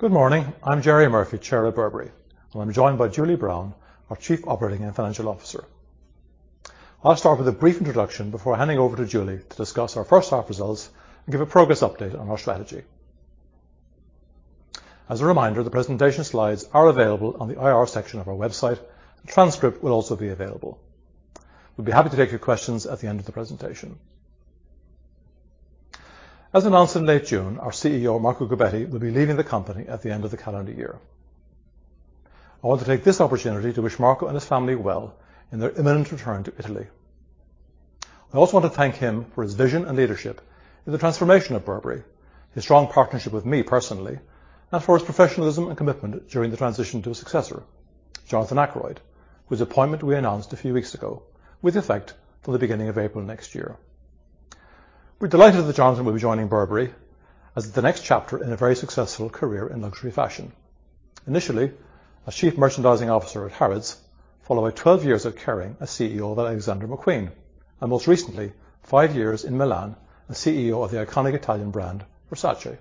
Good morning. I'm Gerry Murphy, Chair of Burberry, and I'm joined by Julie Brown, our Chief Operating and Financial Officer. I'll start with a brief introduction before handing over to Julie to discuss our H1 results and give a progress update on our strategy. As a reminder, the presentation slides are available on the IR section of our website. The transcript will also be available. We'll be happy to take your questions at the end of the presentation. As announced in late June, our CEO, Marco Gobbetti, will be leaving the company at the end of the calendar year. I want to take this opportunity to wish Marco and his family well in their imminent return to Italy. I also want to thank him for his vision and leadership in the transformation of Burberry, his strong partnership with me personally, and for his professionalism and commitment during the transition to a successor, Jonathan Akeroyd, whose appointment we announced a few weeks ago, with effect from the beginning of April next year. We're delighted that Jonathan will be joining Burberry as the next chapter in a very successful career in luxury fashion. Initially as Chief Merchandising Officer at Harrods, followed by 12 years at Kering as CEO of Alexander McQueen and most recently, five years in Milan as CEO of the iconic Italian brand Versace.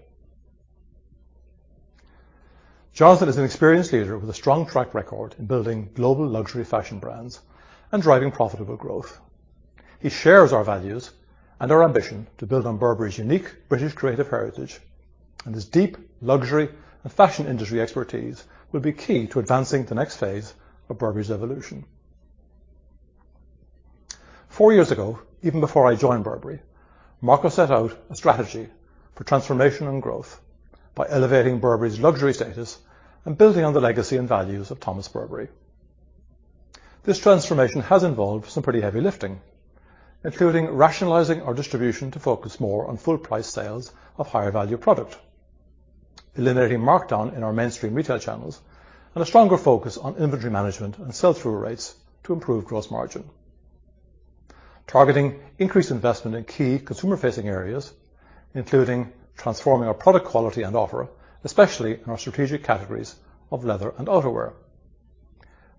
Jonathan is an experienced leader with a strong track record in building global luxury fashion brands and driving profitable growth. He shares our values and our ambition to build on Burberry's unique British creative heritage, and his deep luxury and fashion industry expertise will be key to advancing the next phase of Burberry's evolution. Four years ago, even before I joined Burberry, Marco set out a strategy for transformation and growth by elevating Burberry's luxury status and building on the legacy and values of Thomas Burberry. This transformation has involved some pretty heavy lifting, including rationalizing our distribution to focus more on full price sales of higher value product, eliminating markdown in our mainstream retail channels, and a stronger focus on inventory management and sell-through rates to improve gross margin, targeting increased investment in key consumer facing areas, including transforming our product quality and offer, especially in our strategic categories of leather and outerwear.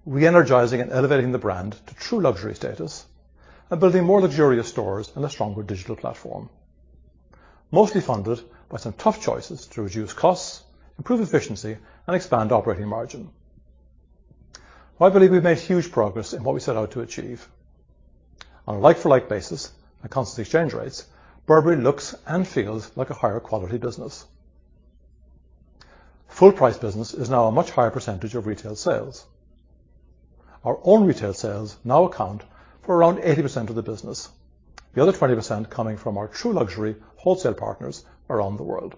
Re-energizing and elevating the brand to true luxury status and building more luxurious stores and a stronger digital platform. Mostly funded by some tough choices to reduce costs, improve efficiency, and expand operating margin. I believe we've made huge progress in what we set out to achieve. On a like-for-like basis, at constant exchange rates, Burberry looks and feels like a higher quality business. Full price business is now a much higher percentage of retail sales. Our own retail sales now account for around 80% of the business. The other 20% coming from our true luxury wholesale partners around the world.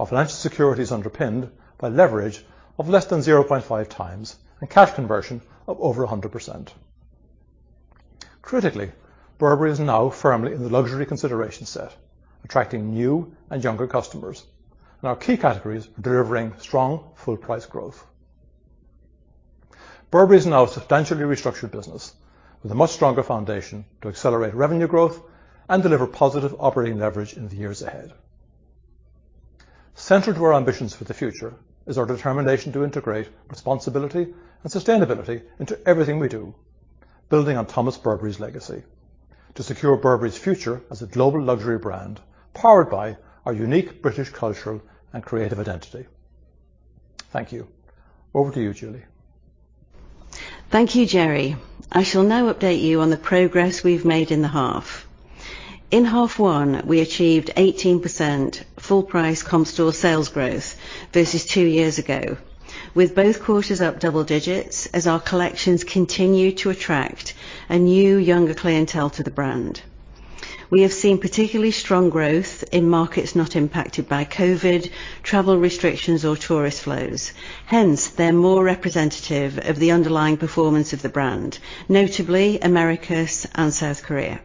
Our financial security is underpinned by leverage of less than 0.5 times and cash conversion of over 100%. Critically, Burberry is now firmly in the luxury consideration set, attracting new and younger customers, and our key categories are delivering strong full price growth. Burberry is now a substantially restructured business with a much stronger foundation to accelerate revenue growth and deliver positive operating leverage in the years ahead. Central to our ambitions for the future is our determination to integrate responsibility and sustainability into everything we do, building on Thomas Burberry's legacy to secure Burberry's future as a global luxury brand powered by our unique British cultural and creative identity. Thank you. Over to you, Julie. Thank you, Gerry. I shall now update you on the progress we've made in the half. In half one, we achieved 18% full price comp store sales growth versus two years ago, with both quarters up double digits as our collections continue to attract a new, younger clientele to the brand. We have seen particularly strong growth in markets not impacted by COVID travel restrictions or tourist flows. Hence, they're more representative of the underlying performance of the brand, notably Americas and South Korea.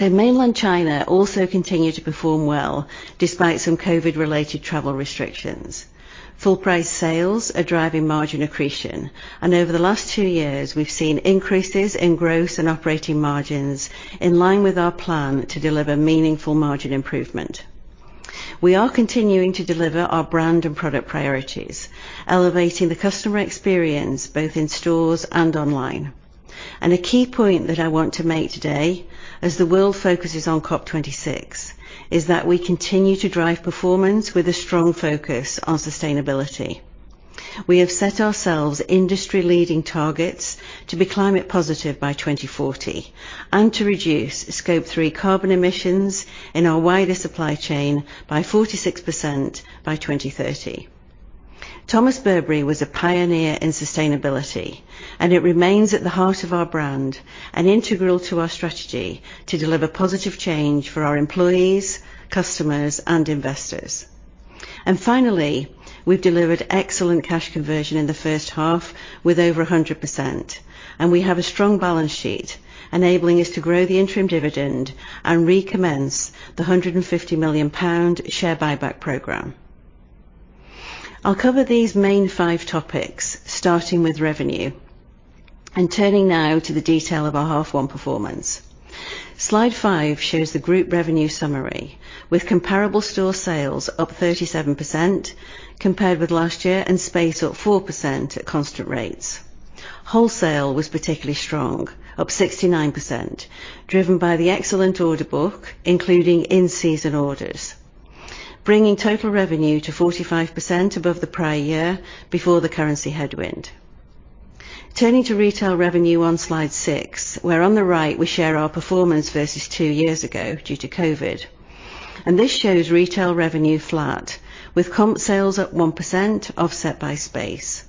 Mainland China also continued to perform well despite some COVID-related travel restrictions. Full price sales are driving margin accretion, and over the last two years, we've seen increases in gross and operating margins in line with our plan to deliver meaningful margin improvement. We are continuing to deliver our brand and product priorities, elevating the customer experience both in stores and online. A key point that I want to make today, as the world focuses on COP26, is that we continue to drive performance with a strong focus on sustainability. We have set ourselves industry-leading targets to be climate positive by 2040 and to reduce Scope 3 carbon emissions in our wider supply chain by 46% by 2030. Thomas Burberry was a pioneer in sustainability, and it remains at the heart of our brand and integral to our strategy to deliver positive change for our employees, customers, and investors. Finally, we've delivered excellent cash conversion in the H1 with over 100%, and we have a strong balance sheet enabling us to grow the interim dividend and recommence the 150 million pound share buyback program. I'll cover these main five topics, starting with revenue. Turning now to the detail of our H1 performance. Slide five shows the group revenue summary with comparable store sales up 37% compared with last year and space up 4% at constant rates. Wholesale was particularly strong, up 69%, driven by the excellent order book, including in-season orders, bringing total revenue to 45% above the prior year before the currency headwind. Turning to retail revenue on Slide six, where on the right we share our performance versus two years ago due to COVID. This shows retail revenue flat with comp sales up 1% offset by space.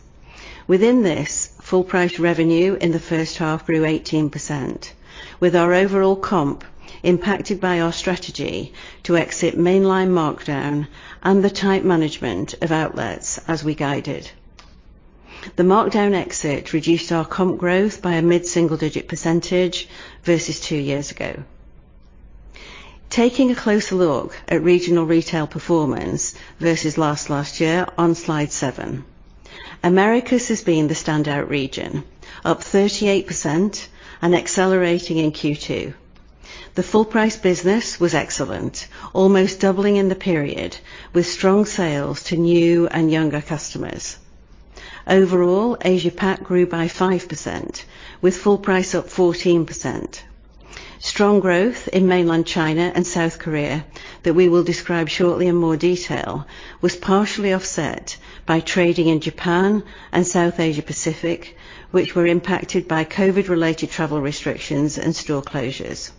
Within this, full price revenue in the H1 grew 18%, with our overall comp impacted by our strategy to exit mainline markdown and the tight management of outlets as we guided. The markdown exit reduced our comp growth by a mid-single-digit percentage versus two years ago. Taking a closer look at regional retail performance versus last year on slide seven. Americas has been the standout region, up 38% and accelerating in Q2. The full price business was excellent, almost doubling in the period with strong sales to new and younger customers. Overall, Asia Pac grew by 5% with full price up 14%. Strong growth in mainland China and South Korea that we will describe shortly in more detail was partially offset by trading in Japan and South Asia Pacific, which were impacted by COVID-related travel restrictions and store closures.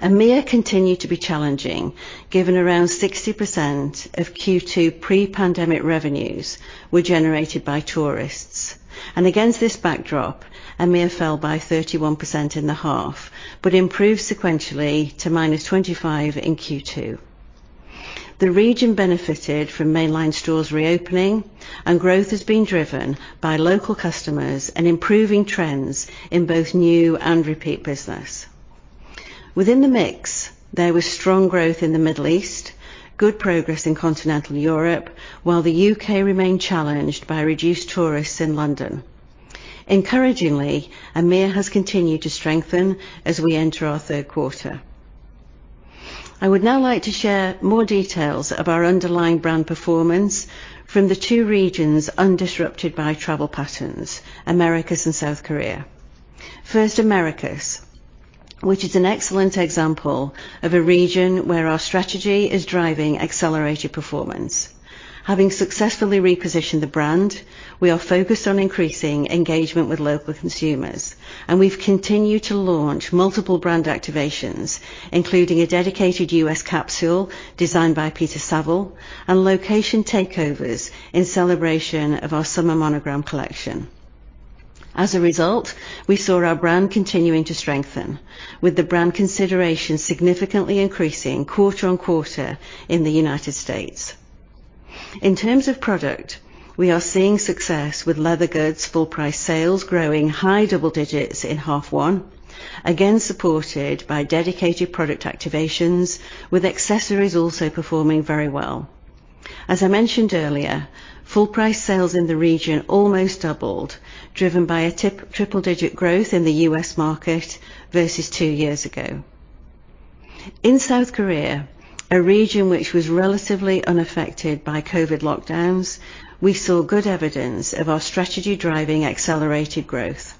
EMEA continued to be challenging given around 60% of Q2 pre-pandemic revenues were generated by tourists. Against this backdrop, EMEA fell by 31% in the half, but improved sequentially to -25% in Q2. The region benefited from mainline stores reopening and growth has been driven by local customers and improving trends in both new and repeat business. Within the mix, there was strong growth in the Middle East, good progress in Continental Europe, while the U.K. remained challenged by reduced tourists in London. Encouragingly, EMEA has continued to strengthen as we enter our Q3. I would now like to share more details of our underlying brand performance from the two regions undisrupted by travel patterns, Americas and South Korea. First, Americas, which is an excellent example of a region where our strategy is driving accelerated performance. Having successfully repositioned the brand, we are focused on increasing engagement with local consumers, and we've continued to launch multiple brand activations, including a dedicated U.S. capsule designed by Peter Saville and location takeovers in celebration of our summer Monogram collection. As a result, we saw our brand continuing to strengthen with the brand consideration significantly increasing quarter on quarter in the United States. In terms of product, we are seeing success with leather goods full price sales growing high double digits in half one, again supported by dedicated product activations with accessories also performing very well. As I mentioned earlier, full price sales in the region almost doubled, driven by a triple-digit growth in the U.S. market versus two years ago. In South Korea, a region which was relatively unaffected by COVID lockdowns, we saw good evidence of our strategy driving accelerated growth.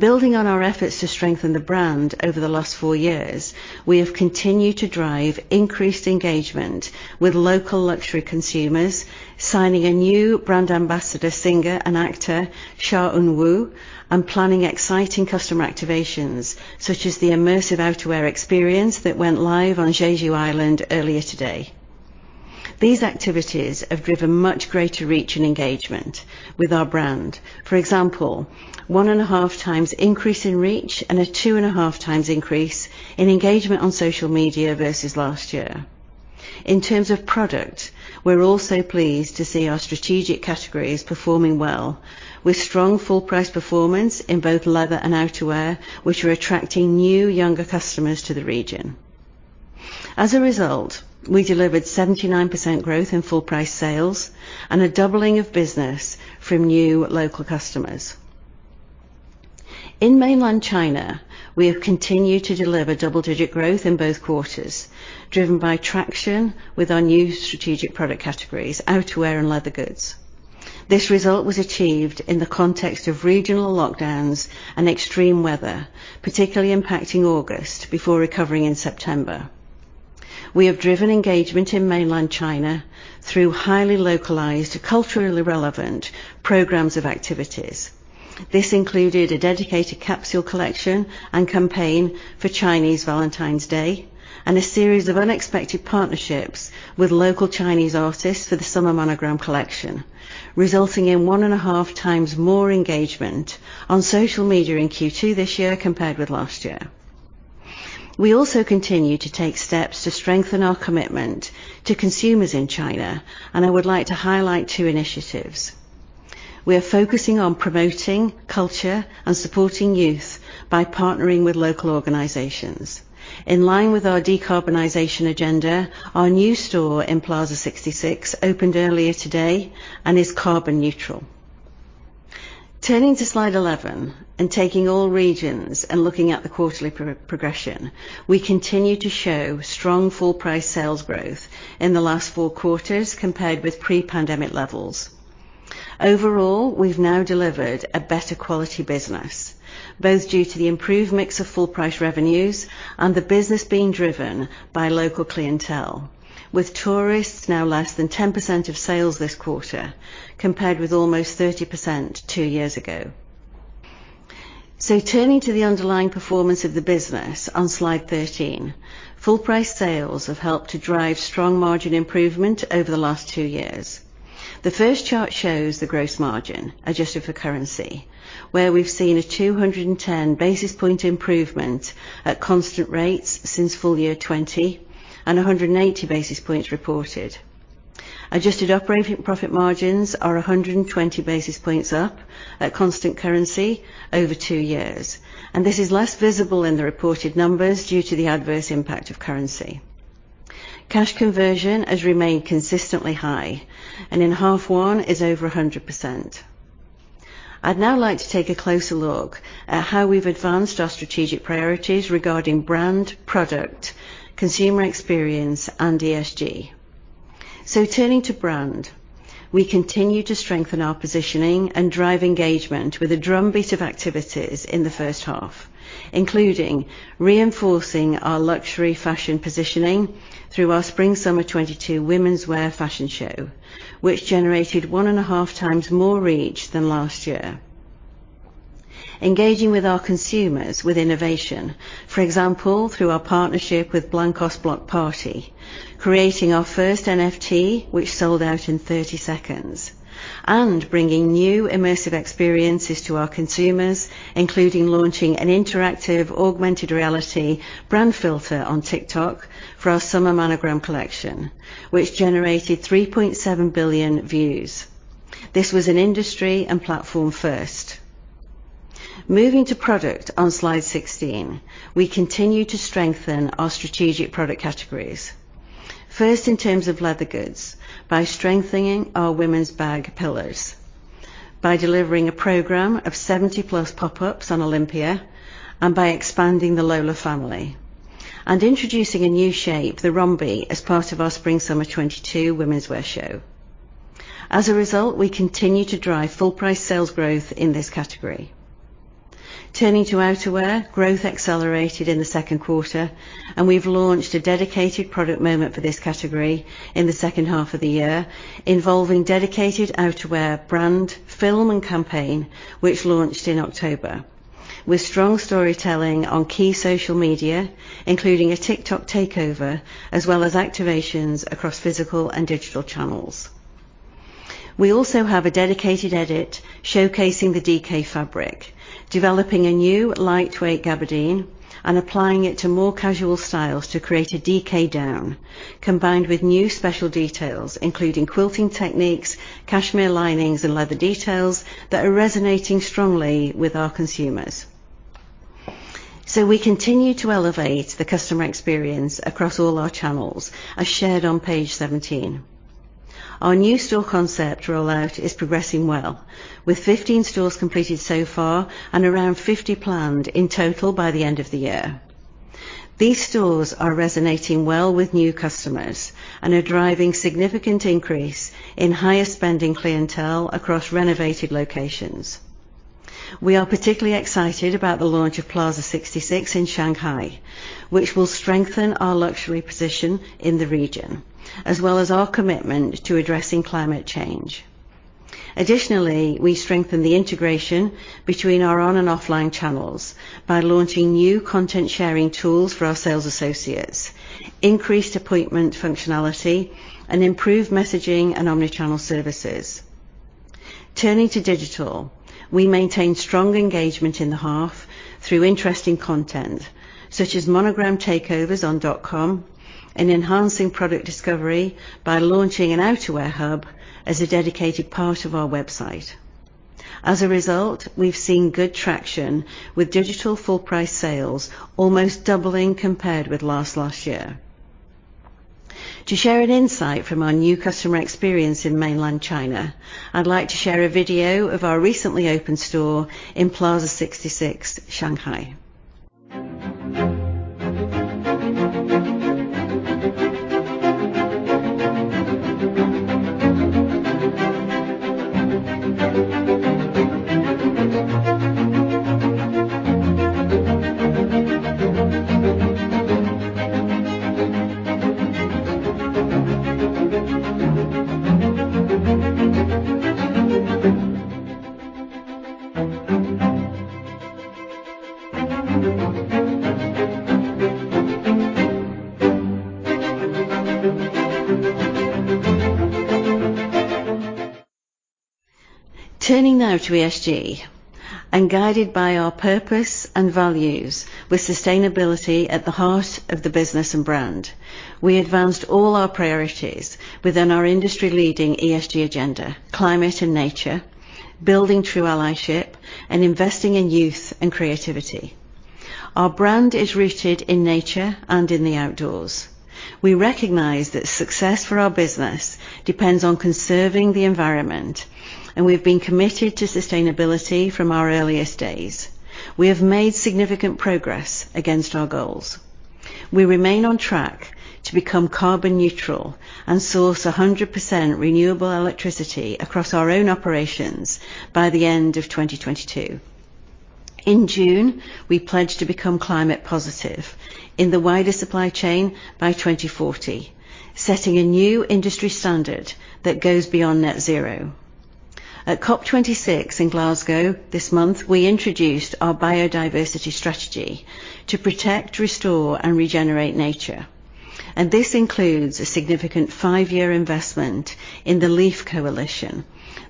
Building on our efforts to strengthen the brand over the last four years, we have continued to drive increased engagement with local luxury consumers, signing a new brand ambassador, singer and actor, Cha Eun-woo, and planning exciting customer activations such as the immersive outerwear experience that went live on Jeju Island earlier today. These activities have driven much greater reach and engagement with our brand. For example, 1.5 times increase in reach and a 2.5 times increase in engagement on social media versus last year. In terms of product, we're also pleased to see our strategic categories performing well with strong full price performance in both leather and outerwear, which are attracting new younger customers to the region. As a result, we delivered 79% growth in full price sales and a doubling of business from new local customers. In mainland China, we have continued to deliver double-digit growth in both quarters, driven by traction with our new strategic product categories, outerwear and leather goods. This result was achieved in the context of regional lockdowns and extreme weather, particularly impacting August before recovering in September. We have driven engagement in mainland China through highly localized, culturally relevant programs of activities. This included a dedicated capsule collection and campaign for Chinese Valentine's Day and a series of unexpected partnerships with local Chinese artists for the summer Monogram collection, resulting in 1.5 times more engagement on social media in Q2 this year compared with last year. We also continue to take steps to strengthen our commitment to consumers in China, and I would like to highlight two initiatives. We are focusing on promoting culture and supporting youth by partnering with local organizations. In line with our decarbonization agenda, our new store in Plaza 66 opened earlier today and is carbon neutral. Turning to slide 11 and taking all regions and looking at the quarterly progression, we continue to show strong full price sales growth in the last 4 quarters compared with pre-pandemic levels. Overall, we've now delivered a better quality business, both due to the improved mix of full price revenues and the business being driven by local clientele, with tourists now less than 10% of sales this quarter, compared with almost 30% two years ago. Turning to the underlying performance of the business on slide 13. Full price sales have helped to drive strong margin improvement over the last two years. The first chart shows the gross margin adjusted for currency, where we've seen a 210 basis point improvement at constant rates since full year 2020 and 180 basis points reported. Adjusted operating profit margins are 120 basis points up at constant currency over two years, and this is less visible in the reported numbers due to the adverse impact of currency. Cash conversion has remained consistently high, and in half one is over 100%. I'd now like to take a closer look at how we've advanced our strategic priorities regarding brand, product, consumer experience, and ESG. Turning to brand, we continue to strengthen our positioning and drive engagement with a drumbeat of activities in the H1, including reinforcing our luxury fashion positioning through our spring/summer 2022 womenswear fashion show, which generated 1.5 times more reach than last year. Engaging with our consumers with innovation, for example, through our partnership with Blankos Block Party, creating our first NFT, which sold out in 30 seconds, and bringing new immersive experiences to our consumers, including launching an interactive augmented reality brand filter on TikTok for our Summer Monogram collection, which generated 3.7 billion views. This was an industry and platform first. Moving to product on slide 16, we continue to strengthen our strategic product categories. First, in terms of leather goods, by strengthening our women's bag pillars, by delivering a program of 70+ pop-ups on Olympia and by expanding the Lola family and introducing a new shape, the Rhombi, as part of our spring/summer 2022 womenswear show. As a result, we continue to drive full price sales growth in this category. Turning to outerwear, growth accelerated in the Q2, and we've launched a dedicated product moment for this category in the H2 of the year, involving dedicated outerwear brand, film and campaign, which launched in October with strong storytelling on key social media, including a TikTok takeover, as well as activations across physical and digital channels. We also have a dedicated edit showcasing the EKD fabric, developing a new lightweight gabardine and applying it to more casual styles to create a EKD down, combined with new special details including quilting techniques, cashmere linings and leather details that are resonating strongly with our consumers. We continue to elevate the customer experience across all our channels as shared on page 17. Our new store concept rollout is progressing well, with 15 stores completed so far and around 50 planned in total by the end of the year. These stores are resonating well with new customers and are driving significant increase in higher spending clientele across renovated locations. We are particularly excited about the launch of Plaza 66 in Shanghai, which will strengthen our luxury position in the region, as well as our commitment to addressing climate change. Additionally, we strengthen the integration between our on and offline channels by launching new content sharing tools for our sales associates, increased appointment functionality and improved messaging and omnichannel services. Turning to digital, we maintain strong engagement in the half through interesting content such as Monogram takeovers on dot.com and enhancing product discovery by launching an outerwear hub as a dedicated part of our website. As a result, we've seen good traction with digital full price sales almost doubling compared with last year. To share an insight from our new customer experience in mainland China, I'd like to share a video of our recently opened store in Plaza 66, Shanghai. Turning now to ESG and guided by our purpose and values with sustainability at the heart of the business and brand. We advanced all our priorities within our industry-leading ESG agenda, climate and nature, building true allyship, and investing in youth and creativity. Our brand is rooted in nature and in the outdoors. We recognize that success for our business depends on conserving the environment, and we've been committed to sustainability from our earliest days. We have made significant progress against our goals. We remain on track to become carbon neutral and source 100% renewable electricity across our own operations by the end of 2022. In June, we pledged to become climate positive in the wider supply chain by 2040, setting a new industry standard that goes beyond net zero. At COP 26 in Glasgow this month, we introduced our biodiversity strategy to protect, restore, and regenerate nature. This includes a significant five-year investment in the LEAF Coalition,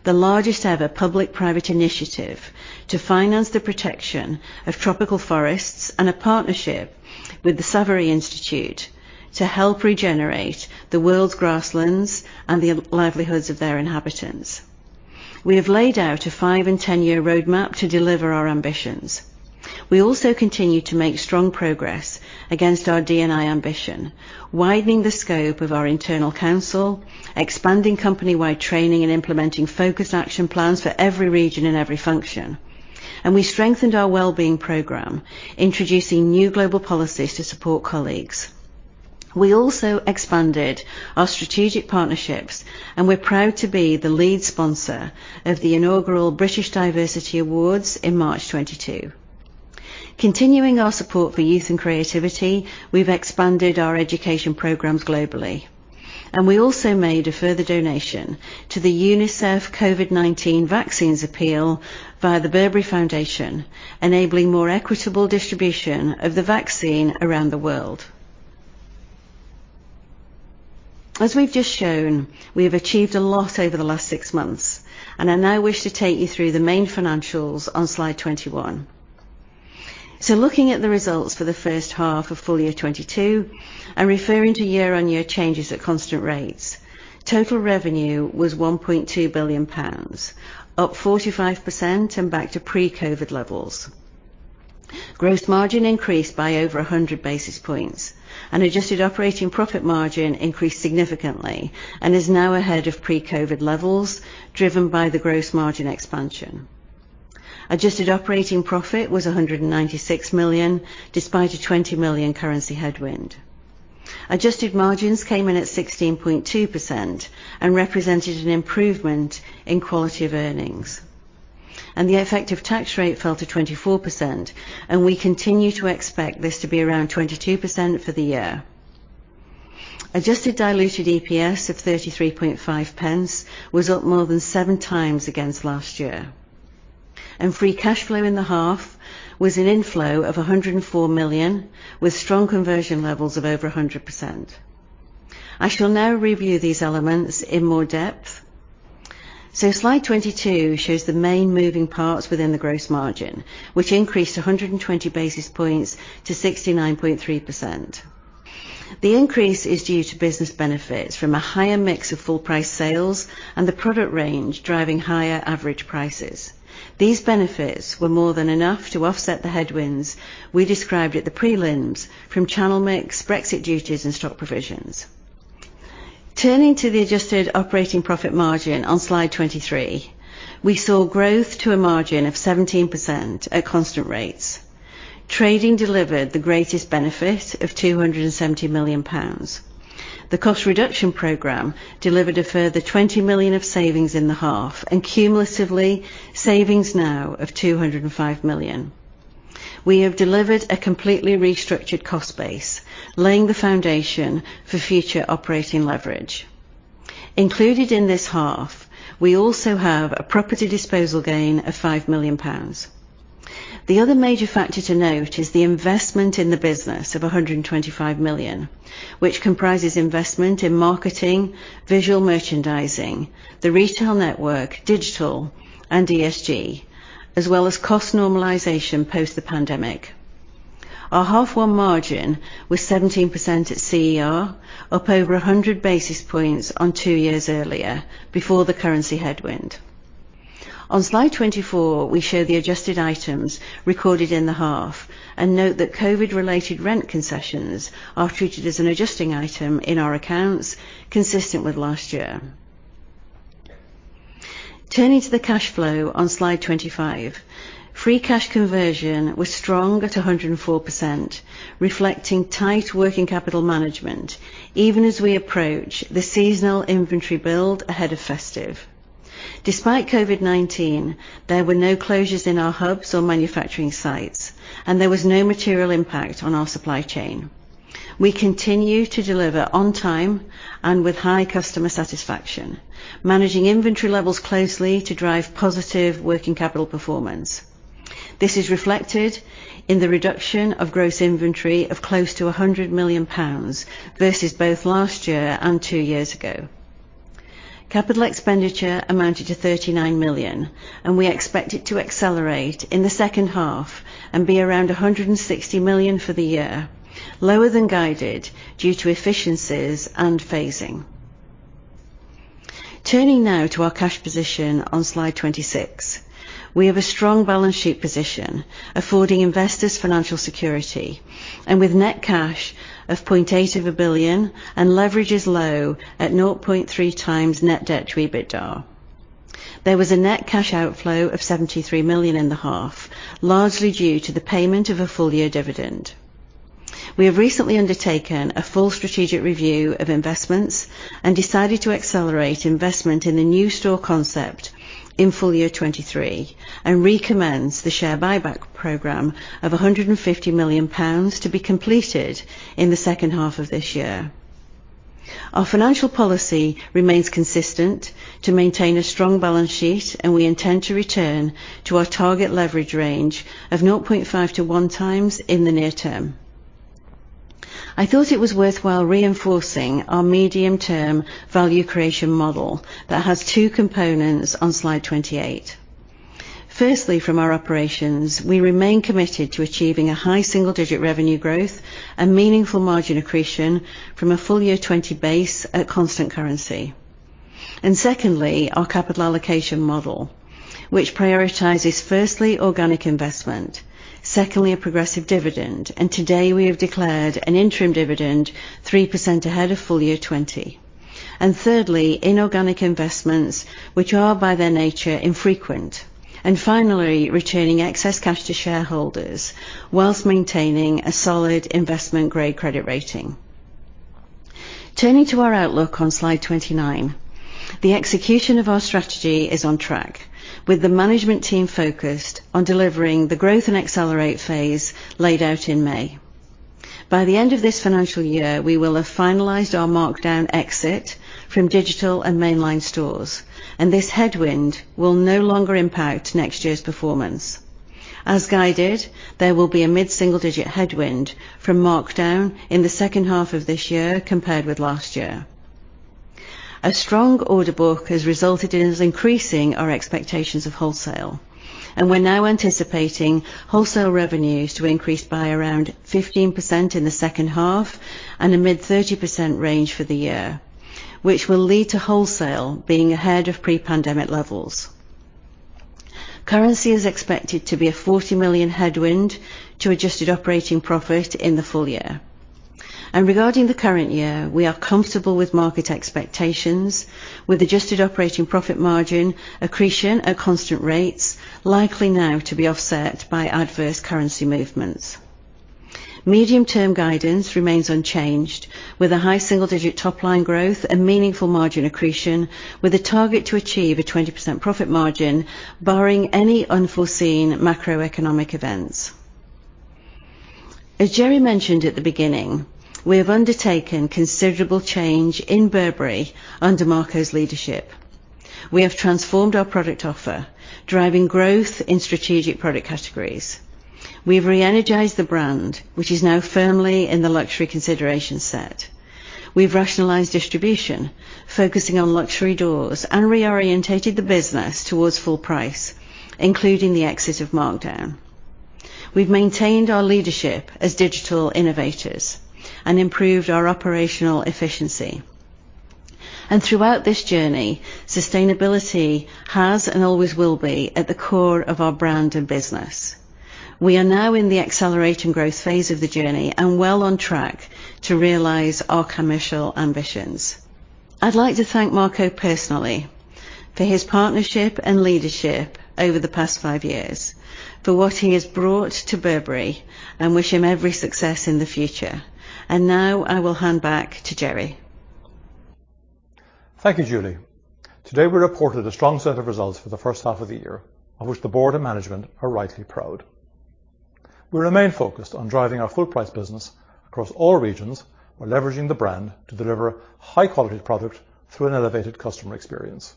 the largest ever public-private initiative to finance the protection of tropical forests, and a partnership with the Savory Institute to help regenerate the world's grasslands and the livelihoods of their inhabitants. We have laid out a five- and 10-year roadmap to deliver our ambitions. We also continue to make strong progress against our D&I ambition, widening the scope of our internal council, expanding company-wide training, and implementing focused action plans for every region and every function. We strengthened our wellbeing program, introducing new global policies to support colleagues. We also expanded our strategic partnerships, and we're proud to be the lead sponsor of the inaugural British Diversity Awards in March 2022. Continuing our support for youth and creativity, we've expanded our education programs globally, and we also made a further donation to the UNICEF COVID-19 Vaccines Appeal via the Burberry Foundation, enabling more equitable distribution of the vaccine around the world. As we've just shown, we have achieved a lot over the last six months, and I now wish to take you through the main financials on slide 21. Looking at the results for the H1 of full year 2022 and referring to year-on-year changes at constant rates, total revenue was 1.2 billion pounds, up 45% and back to pre-COVID levels. Gross margin increased by over 100 basis points, and adjusted operating profit margin increased significantly and is now ahead of pre-COVID levels, driven by the gross margin expansion. Adjusted operating profit was 196 million, despite a 20 million currency headwind. Adjusted margins came in at 16.2% and represented an improvement in quality of earnings. The effective tax rate fell to 24%, and we continue to expect this to be around 22% for the year. Adjusted diluted EPS of 0.335 was up more than 7 times against last year. Free cash flow in the half was an inflow of 104 million, with strong conversion levels of over 100%. I shall now review these elements in more depth. Slide 22 shows the main moving parts within the gross margin, which increased 120 basis points to 69.3%. The increase is due to business benefits from a higher mix of full price sales and the product range driving higher average prices. These benefits were more than enough to offset the headwinds we described at the prelims from channel mix, Brexit duties, and stock provisions. Turning to the adjusted operating profit margin on slide 23, we saw growth to a margin of 17% at constant rates. Trading delivered the greatest benefit of 270 million pounds. The cost reduction program delivered a further 20 million of savings in the half, and cumulatively, savings now of 205 million. We have delivered a completely restructured cost base, laying the foundation for future operating leverage. Included in this half, we also have a property disposal gain of 5 million pounds. The other major factor to note is the investment in the business of 125 million, which comprises investment in marketing, visual merchandising, the retail network, digital, and ESG, as well as cost normalization post the pandemic. Our H1 margin was 17% at CER, up over 100 basis points on two years earlier, before the currency headwind. On slide 24, we show the adjusted items recorded in the H1 and note that COVID-related rent concessions are treated as an adjusting item in our accounts, consistent with last year. Turning to the cash flow on slide 25. Free cash conversion was strong at 104%, reflecting tight working capital management, even as we approach the seasonal inventory build ahead of festive. Despite COVID-19, there were no closures in our hubs or manufacturing sites, and there was no material impact on our supply chain. We continue to deliver on time and with high customer satisfaction, managing inventory levels closely to drive positive working capital performance. This is reflected in the reduction of gross inventory of close to 100 million pounds versus both last year and two years ago. Capital expenditure amounted to 39 million, and we expect it to accelerate in the H2 and be around 160 million for the year. Lower than guided due to efficiencies and phasing. Turning now to our cash position on slide 26. We have a strong balance sheet position, affording investors financial security and with net cash of 0.8 billion and leverage is low at 0.3 times net debt to EBITDA. There was a net cash outflow of 73 million in the half, largely due to the payment of a full-year dividend. We have recently undertaken a full strategic review of investments and decided to accelerate investment in the new store concept in full year 2023 and recommence the share buyback program of 150 million pounds to be completed in the H2 of this year. Our financial policy remains consistent to maintain a strong balance sheet, and we intend to return to our target leverage range of 0.5-1 times in the near term. I thought it was worthwhile reinforcing our medium-term value creation model that has two components on slide 28. Firstly, from our operations, we remain committed to achieving a high single-digit revenue growth and meaningful margin accretion from a full year 2020 base at constant currency. Secondly, our capital allocation model, which prioritizes, firstly, organic investment, secondly, a progressive dividend, and today we have declared an interim dividend 3% ahead of full year 2020. Thirdly, inorganic investments, which are by their nature infrequent. Finally, returning excess cash to shareholders while maintaining a solid investment-grade credit rating. Turning to our outlook on slide 29, the execution of our strategy is on track, with the management team focused on delivering the growth and acceleration phase laid out in May. By the end of this financial year, we will have finalized our markdown exit from digital and mainline stores, and this headwind will no longer impact next year's performance. As guided, there will be a mid-single-digit headwind from markdown in the H2 of this year compared with last year. A strong order book has resulted in us increasing our expectations of wholesale, and we're now anticipating wholesale revenues to increase by around 15% in the H2 and a mid-30% range for the year, which will lead to wholesale being ahead of pre-pandemic levels. Currency is expected to be a 40 million headwind to adjusted operating profit in the full year. Regarding the current year, we are comfortable with market expectations, with adjusted operating profit margin accretion at constant rates likely now to be offset by adverse currency movements. Medium-term guidance remains unchanged with a high single-digit top-line growth and meaningful margin accretion with a target to achieve a 20% profit margin barring any unforeseen macroeconomic events. As Gerry mentioned at the beginning, we have undertaken considerable change in Burberry under Marco's leadership. We have transformed our product offer, driving growth in strategic product categories. We've re-energized the brand, which is now firmly in the luxury consideration set. We've rationalized distribution, focusing on luxury doors and reoriented the business towards full price, including the exit of markdown. We've maintained our leadership as digital innovators and improved our operational efficiency. Throughout this journey, sustainability has and always will be at the core of our brand and business. We are now in the accelerate and growth phase of the journey and well on track to realize our commercial ambitions. I'd like to thank Marco personally for his partnership and leadership over the past five years for what he has brought to Burberry and wish him every success in the future. Now I will hand back to Gerry. Thank you, Julie. Today, we reported a strong set of results for the H1 of the year, of which the board and management are rightly proud. We remain focused on driving our full price business across all regions while leveraging the brand to deliver high-quality product through an elevated customer experience.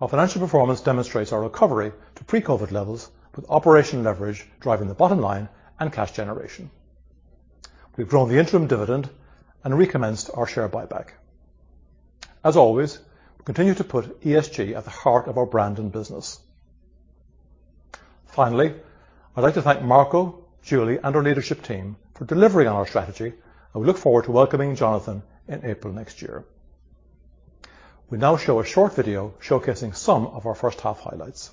Our financial performance demonstrates our recovery to pre-COVID levels with operational leverage driving the bottom line and cash generation. We've grown the interim dividend and recommenced our share buyback. As always, we continue to put ESG at the heart of our brand and business. Finally, I'd like to thank Marco, Julie, and our leadership team for delivering on our strategy, and we look forward to welcoming Jonathan in April next year. We now show a short video showcasing some of our H1 highlights.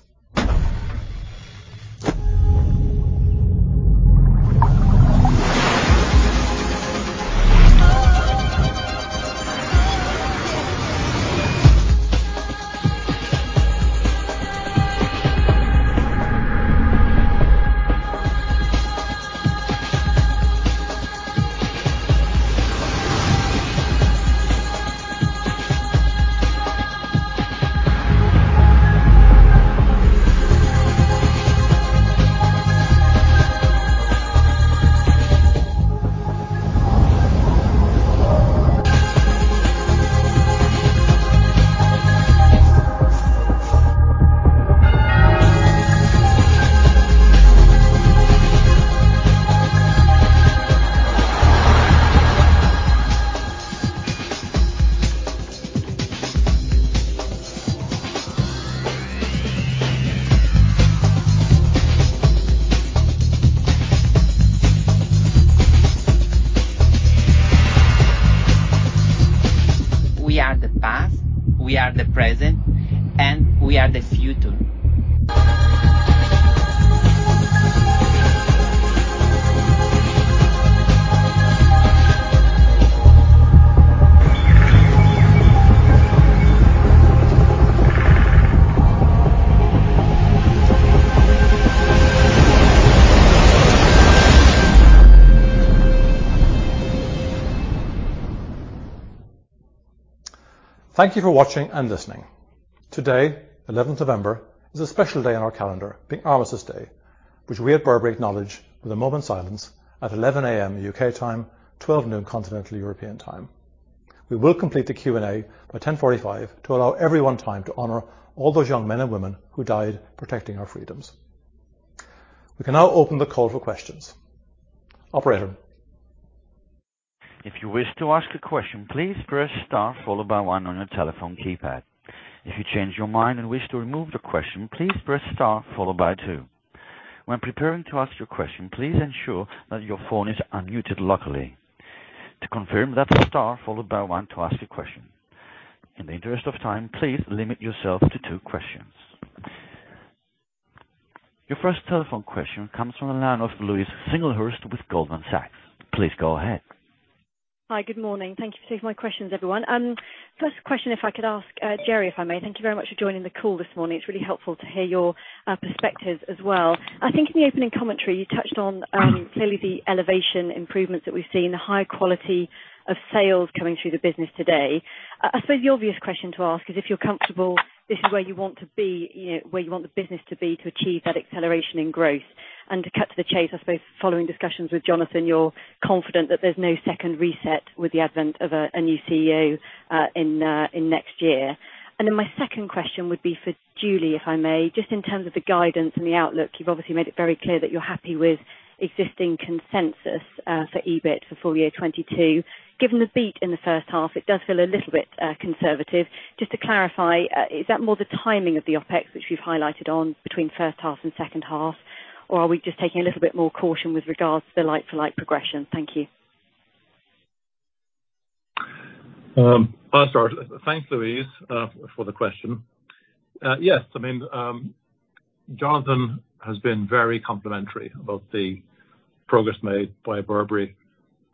We are the past, we are the present, and we are the future. Thank you for watching and listening. Today, eleventh of November, is a special day on our calendar, being Armistice Day, which we at Burberry acknowledge with a moment of silence at 11:00 A.M. U.K. time, 12:00 P.M. Continental European time. We will complete the Q&A by 10:45 A.M to allow everyone time to honor all those young men and women who died protecting our freedoms. We can now open the call for questions. Operator? Your first telephone question comes from the line of Louise Singlehurst with Goldman Sachs. Please go ahead. Hi. Good morning. Thank you for taking my questions, everyone. First question, if I could ask, Gerry, if I may. Thank you very much for joining the call this morning. It's really helpful to hear your perspectives as well. I think in the opening commentary, you touched on clearly the elevation improvements that we've seen, the high quality of sales coming through the business today. I suppose the obvious question to ask is if you're comfortable this is where you want to be, you know, where you want the business to be to achieve that acceleration in growth. To cut to the chase, I suppose following discussions with Jonathan, you're confident that there's no second reset with the advent of a new CEO in next year. Then my second question would be for Julie, if I may, just in terms of the guidance and the outlook, you've obviously made it very clear that you're happy with existing consensus for EBIT for full year 2022. Given the beat in the H1, it does feel a little bit conservative. Just to clarify, is that more the timing of the OpEx which you've highlighted on between H1 and H2, or are we just taking a little bit more caution with regards to the like-for-like progression? Thank you. I'll start. Thanks, Louise, for the question. Yes, I mean, Jonathan has been very complimentary about the progress made by Burberry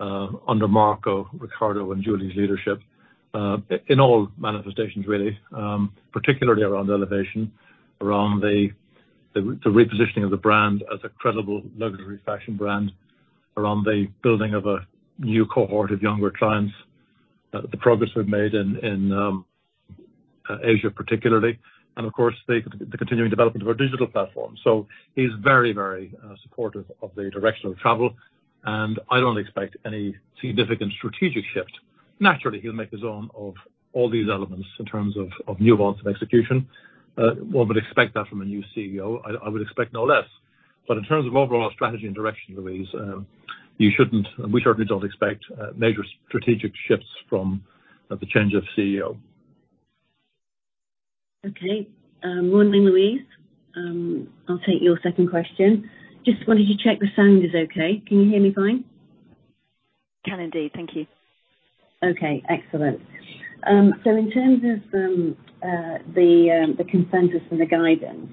under Marco, Riccardo, and Julie's leadership in all manifestations really, particularly around elevation, around the repositioning of the brand as a credible luxury fashion brand, around the building of a new cohort of younger clients, the progress we've made in Asia particularly, and of course the continuing development of our digital platform. He's very supportive of the direction of travel, and I don't expect any significant strategic shift. Naturally, he'll make his own of all these elements in terms of nuance and execution. One would expect that from a new CEO. I would expect no less. In terms of overall strategy and direction, Louise, we certainly don't expect major strategic shifts from the change of CEO. Okay. Morning, Louise. I'll take your second question. Just wanted to check the sound is okay. Can you hear me fine? Can indeed. Thank you. Okay, excellent. In terms of the consensus and the guidance,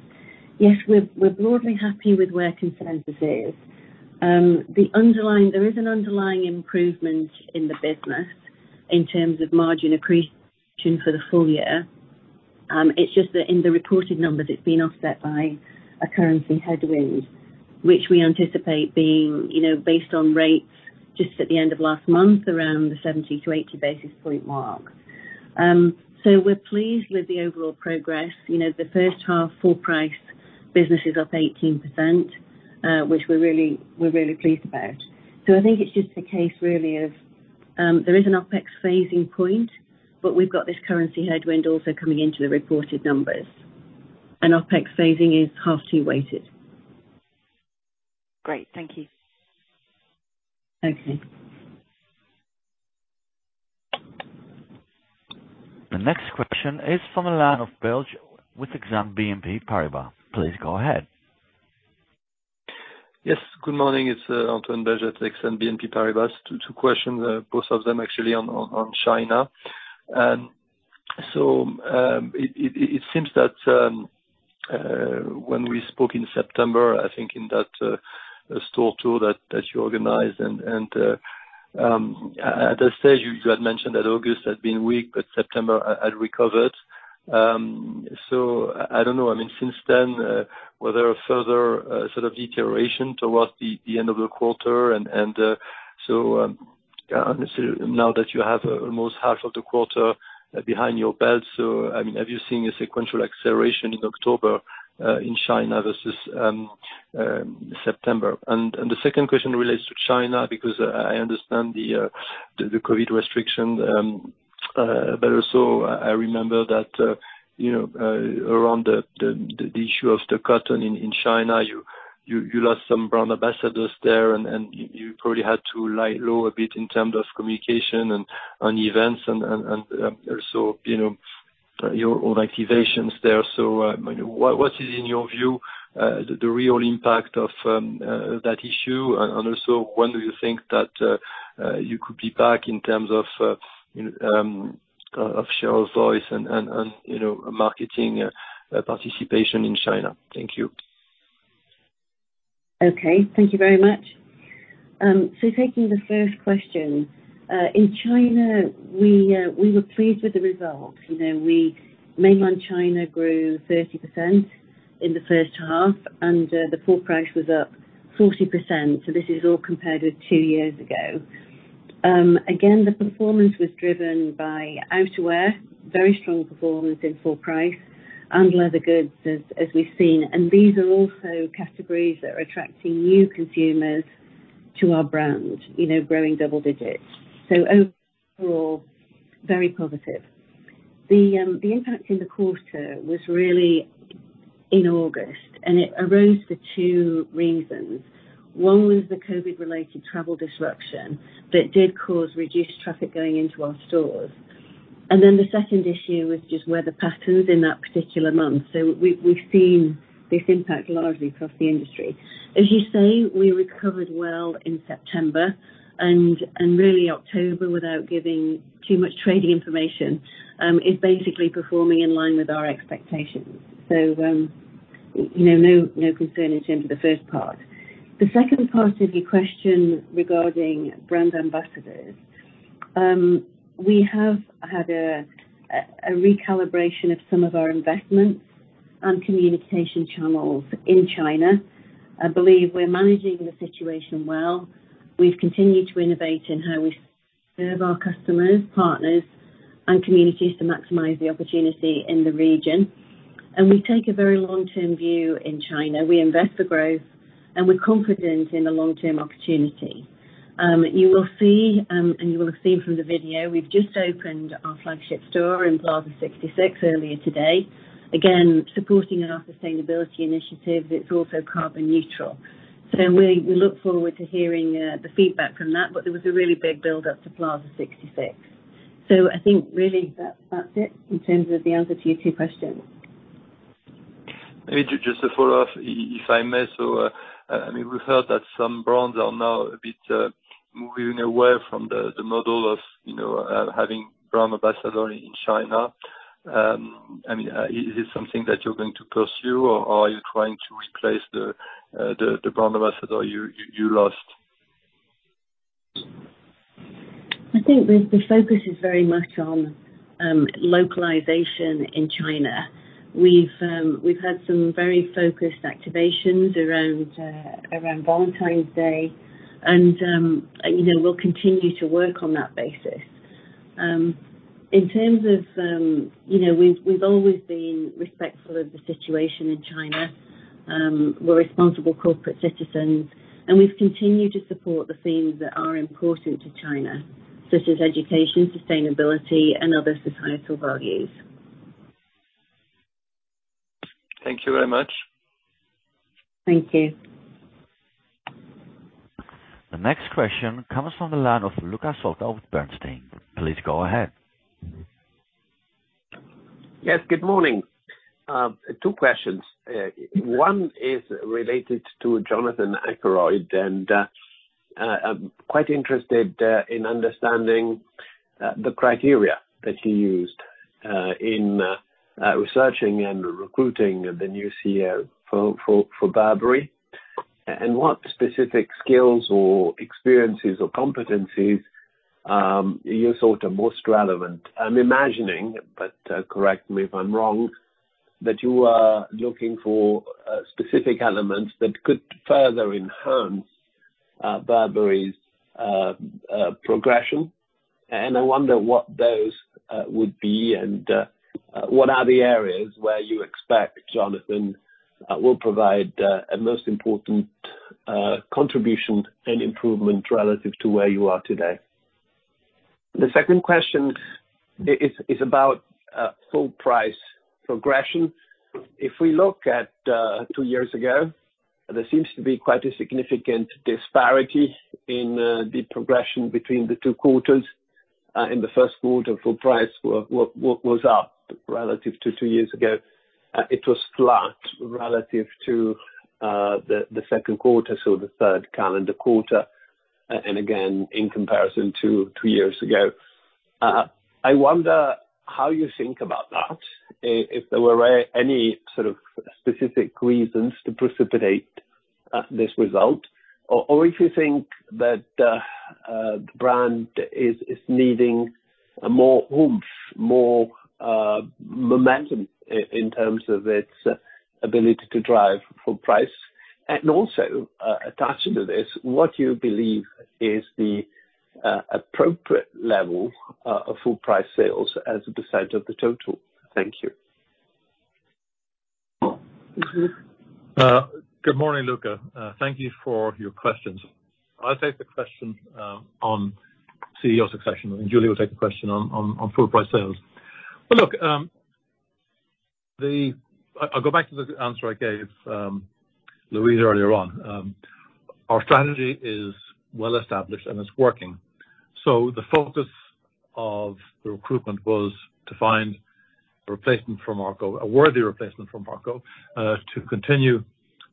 yes, we're broadly happy with where consensus is. There is an underlying improvement in the business in terms of margin accretion for the full year. It's just that in the reported numbers, it's been offset by a currency headwind, which we anticipate being, you know, based on rates just at the end of last month, around the 70-80 basis point mark. We're pleased with the overall progress. You know, the H1 full price business is up 18%, which we're really pleased about. I think it's just a case really of there is an OpEx phasing point, but we've got this currency headwind also coming into the reported numbers, and OpEx phasing is half-year weighted. Great. Thank you. Thank you. The next question is from the line of Belge with Exane BNP Paribas. Please go ahead. Yes, good morning. It's Antoine Belge with Exane BNP Paribas. Two questions, both of them actually on China. It seems that when we spoke in September, I think in that store tour that you organized and at that stage you had mentioned that August had been weak but September had recovered. I don't know. I mean, since then, were there further sort of deterioration towards the end of the quarter? Now that you have almost half of the quarter behind your belt, I mean, have you seen a sequential acceleration in October in China versus September? The second question relates to China because I understand the COVID restriction, but also I remember that, you know, around the issue of the cotton in China, you lost some brand ambassadors there and you probably had to lie low a bit in terms of communication and on events and also, you know, your own activations there. What is in your view the real impact of that issue? Also when do you think that you could be back in terms of share of voice and you know marketing participation in China? Thank you. Okay, thank you very much. Taking the first question. In China, we were pleased with the results. You know, mainland China grew 30% in the H1, and the full price was up 40%. This is all compared with two years ago. Again, the performance was driven by outerwear, very strong performance in full price and leather goods as we've seen. These are also categories that are attracting new consumers to our brand, you know, growing double digits. Overall, very positive. The impact in the quarter was really in August, and it arose for two reasons. One was the COVID-related travel disruption that did cause reduced traffic going into our stores. The second issue was just weather patterns in that particular month. We've seen this impact largely across the industry. As you say, we recovered well in September and really October, without giving too much trading information, is basically performing in line with our expectations. You know, no concern in terms of the first part. The second part of your question regarding brand ambassadors, we have had a recalibration of some of our investments and communication channels in China. I believe we're managing the situation well. We've continued to innovate in how we serve our customers, partners, and communities to maximize the opportunity in the region. We take a very long-term view in China. We invest for growth, and we're confident in the long-term opportunity. You will see, and you will have seen from the video, we've just opened our flagship store in Plaza 66 earlier today. Again, supporting our sustainability initiative, it's also carbon neutral. We look forward to hearing the feedback from that, but there was a really big build up to Plaza 66. I think really that's it in terms of the answer to your two questions. Maybe just to follow up, if I may. I mean, we've heard that some brands are now a bit moving away from the model of, you know, having brand ambassador in China. I mean, is this something that you're going to pursue or are you trying to replace the brand ambassador you lost? I think the focus is very much on localization in China. We've had some very focused activations around Valentine's Day and, you know, we'll continue to work on that basis. In terms of, you know, we've always been respectful of the situation in China. We're responsible corporate citizens, and we've continued to support the themes that are important to China, such as education, sustainability and other societal values. Thank you very much. Thank you. The next question comes from the line of Luca Solca with Bernstein. Please go ahead. Yes, good morning. Two questions. One is related to Jonathan Akeroyd, and I'm quite interested in understanding the criteria that you used in researching and recruiting the new CEO for Burberry, what specific skills or experiences or competencies you thought are most relevant. I'm imagining, but correct me if I'm wrong, that you are looking for specific elements that could further enhance Burberry's progression. I wonder what those would be and what are the areas where you expect Jonathan will provide a most important contribution and improvement relative to where you are today. The second question is about full price progression. If we look at two years ago, there seems to be quite a significant disparity in the progression between the two quarters. In the Q1, full price was up relative to two years ago. It was flat relative to the Q2, so the third calendar quarter, and again, in comparison to two years ago. I wonder how you think about that. If there were any sort of specific reasons to precipitate this result, or if you think that the brand is needing more oomph, more momentum in terms of its ability to drive full price. Attached to this, what you believe is the appropriate level of full-price sales as a percent of the total. Thank you. Mm-hmm. Good morning, Luca. Thank you for your questions. I'll take the question on CEO succession, and Julie will take the question on full price sales. Look, I'll go back to the answer I gave Louise earlier on. Our strategy is well established, and it's working. The focus of the recruitment was to find a replacement for Marco, a worthy replacement for Marco, to continue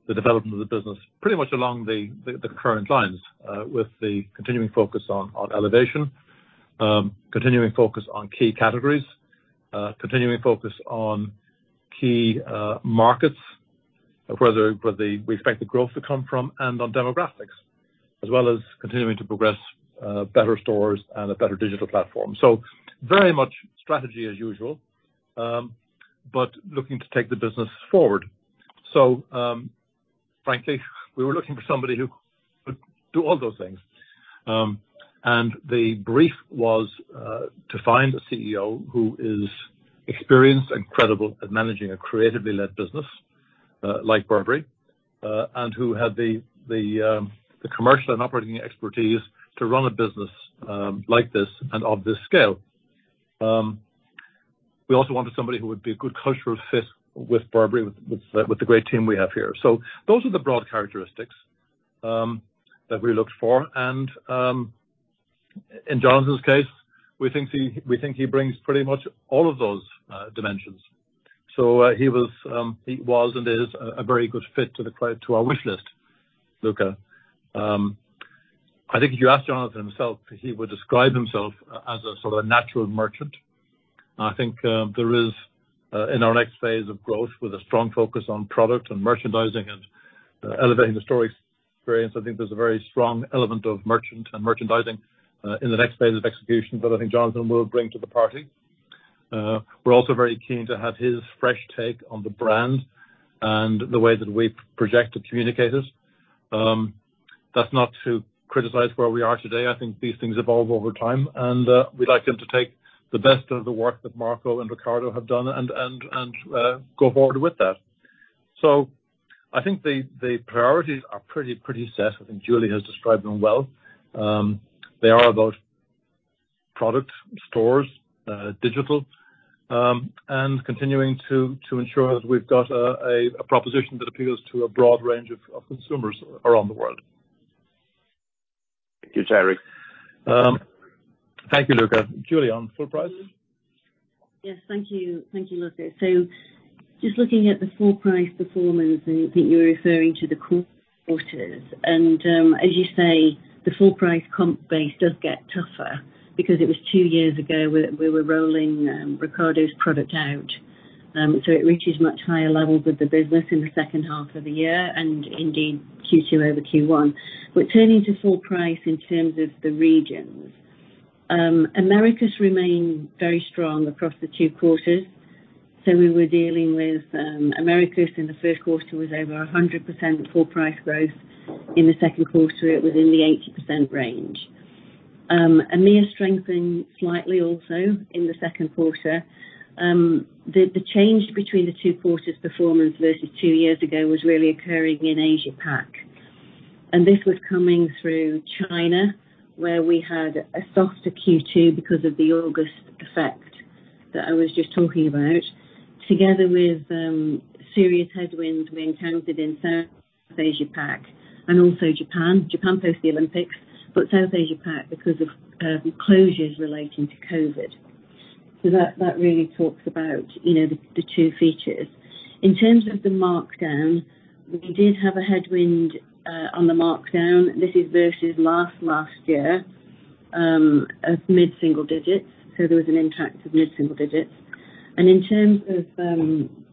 the development of the business pretty much along the current lines, with the continuing focus on elevation, continuing focus on key categories, continuing focus on key markets where we expect the growth to come from and on demographics, as well as continuing to progress better stores and a better digital platform. Very much strategy as usual, but looking to take the business forward. Frankly, we were looking for somebody who could do all those things. The brief was to find a CEO who is experienced and credible at managing a creatively led business like Burberry and who had the commercial and operating expertise to run a business like this and of this scale. We also wanted somebody who would be a good cultural fit with Burberry, with the great team we have here. Those are the broad characteristics that we looked for. In Jonathan's case, we think he brings pretty much all of those dimensions. He was and is a very good fit to our wish list, Luca. I think if you ask Jonathan himself, he would describe himself as a sort of natural merchant. I think there is in our next phase of growth, with a strong focus on product and merchandising and elevating the store experience, I think there's a very strong element of merchant and merchandising in the next phase of execution that I think Jonathan will bring to the party. We're also very keen to have his fresh take on the brand and the way that we project and communicate it. That's not to criticize where we are today. I think these things evolve over time, and we'd like him to take the best of the work that Marco and Riccardo have done and go forward with that. I think the priorities are pretty set. I think Julie has described them well. They are about product, stores, digital, and continuing to ensure that we've got a proposition that appeals to a broad range of consumers around the world. Thank you, Gerry. Thank you, Luca. Julie on full price. Yes, thank you. Thank you, Luca. Just looking at the full price performance, and I think you're referring to the quarters. As you say, the full price comp base does get tougher because it was two years ago we were rolling Ricardo's product out. It reaches much higher levels of the business in the H2 of the year and indeed Q2 over Q1. Turning to full price in terms of the regions, Americas remained very strong across the two quarters. We were dealing with Americas in the Q1 was over 100% full price growth. In the Q2, it was in the 80% range. EMEA strengthened slightly also in the Q2. The change between the two quarters performance versus two years ago was really occurring in Asia Pac. This was coming through China, where we had a softer Q2 because of the August effect that I was just talking about, together with serious headwinds we encountered in South Asia Pac and also Japan. Japan post the Olympics, but South Asia Pac because of closures relating to COVID. That really talks about, you know, the two features. In terms of the markdown, we did have a headwind on the markdown. This is versus last year of mid-single digits, so there was an impact of mid-single digits. In terms of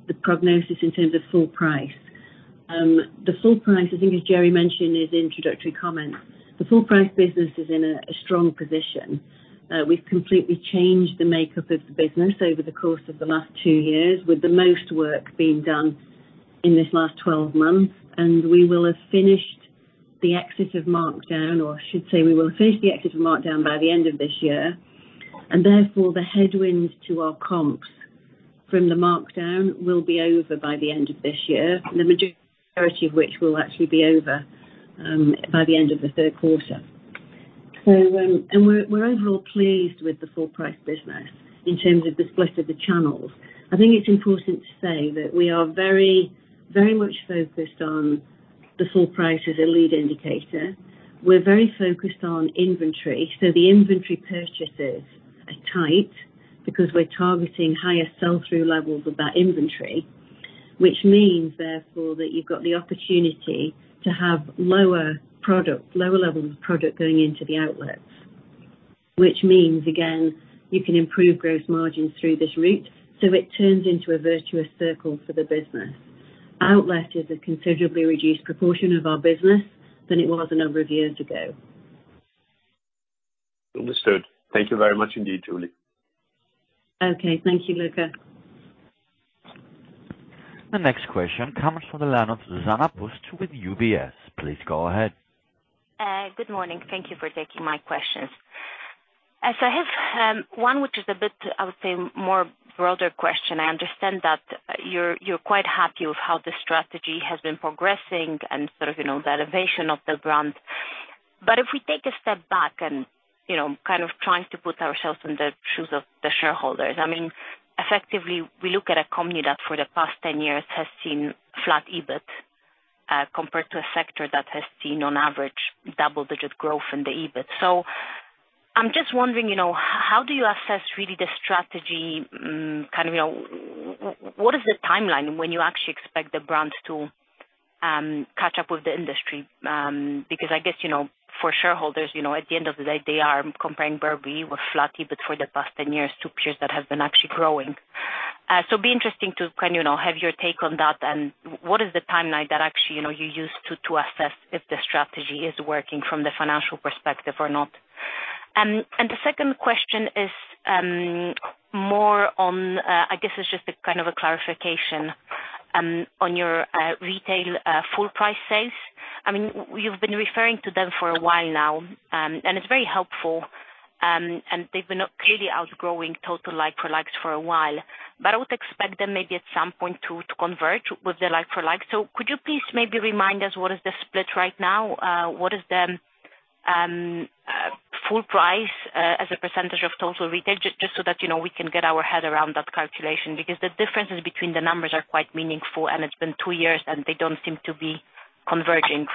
the prognosis in terms of full price, the full price, I think as Gerry mentioned in his introductory comments, the full price business is in a strong position. We've completely changed the makeup of the business over the course of the last 2 years, with the most work being done in this last 12 months. We will have finished the exit of markdown, or I should say we will have finished the exit of markdown by the end of this year. Therefore, the headwinds to our comps from the markdown will be over by the end of this year, the majority of which will actually be over by the end of the Q3. We're overall pleased with the full price business in terms of the split of the channels. I think it's important to say that we are very, very much focused on the full price as a lead indicator. We're very focused on inventory. The inventory purchases are tight because we're targeting higher sell-through levels of that inventory, which means, therefore, that you've got the opportunity to have lower product, lower levels of product going into the outlets. Which means, again, you can improve gross margins through this route, so it turns into a virtuous circle for the business. Outlet is a considerably reduced proportion of our business than it was a number of years ago. Understood. Thank you very much indeed, Julie. Okay. Thank you, Luca. The next question comes from the line of Zuzanna Pusz with UBS. Please go ahead. Good morning. Thank you for taking my questions. I have one which is a bit, I would say, more broader question. I understand that you're quite happy with how the strategy has been progressing and sort of, you know, the elevation of the brand. But if we take a step back and, you know, kind of trying to put ourselves in the shoes of the shareholders, I mean, effectively, we look at a company that for the past 10 years has seen flat EBIT, compared to a sector that has seen on average double-digit growth in the EBIT. I'm just wondering, you know, how do you assess really the strategy? Kind of, you know, what is the timeline when you actually expect the brand to catch up with the industry, because I guess, you know, for shareholders, you know, at the end of the day, they are comparing where we were flat a bit for the past 10 years to peers that have been actually growing. So it'd be interesting to kind of, you know, have your take on that and what is the timeline that actually, you know, you use to assess if the strategy is working from the financial perspective or not. And the second question is more on, I guess it's just a kind of a clarification on your retail full price sales. I mean, you've been referring to them for a while now, and it's very helpful, and they've been clearly outgrowing total like-for-likes for a while. I would expect them maybe at some point to convert with the like-for-like. Could you please maybe remind us what is the split right now? What is the full price as a percentage of total retail? Just so that, you know, we can get our head around that calculation. Because the differences between the numbers are quite meaningful and it's been two years, and they don't seem to be converging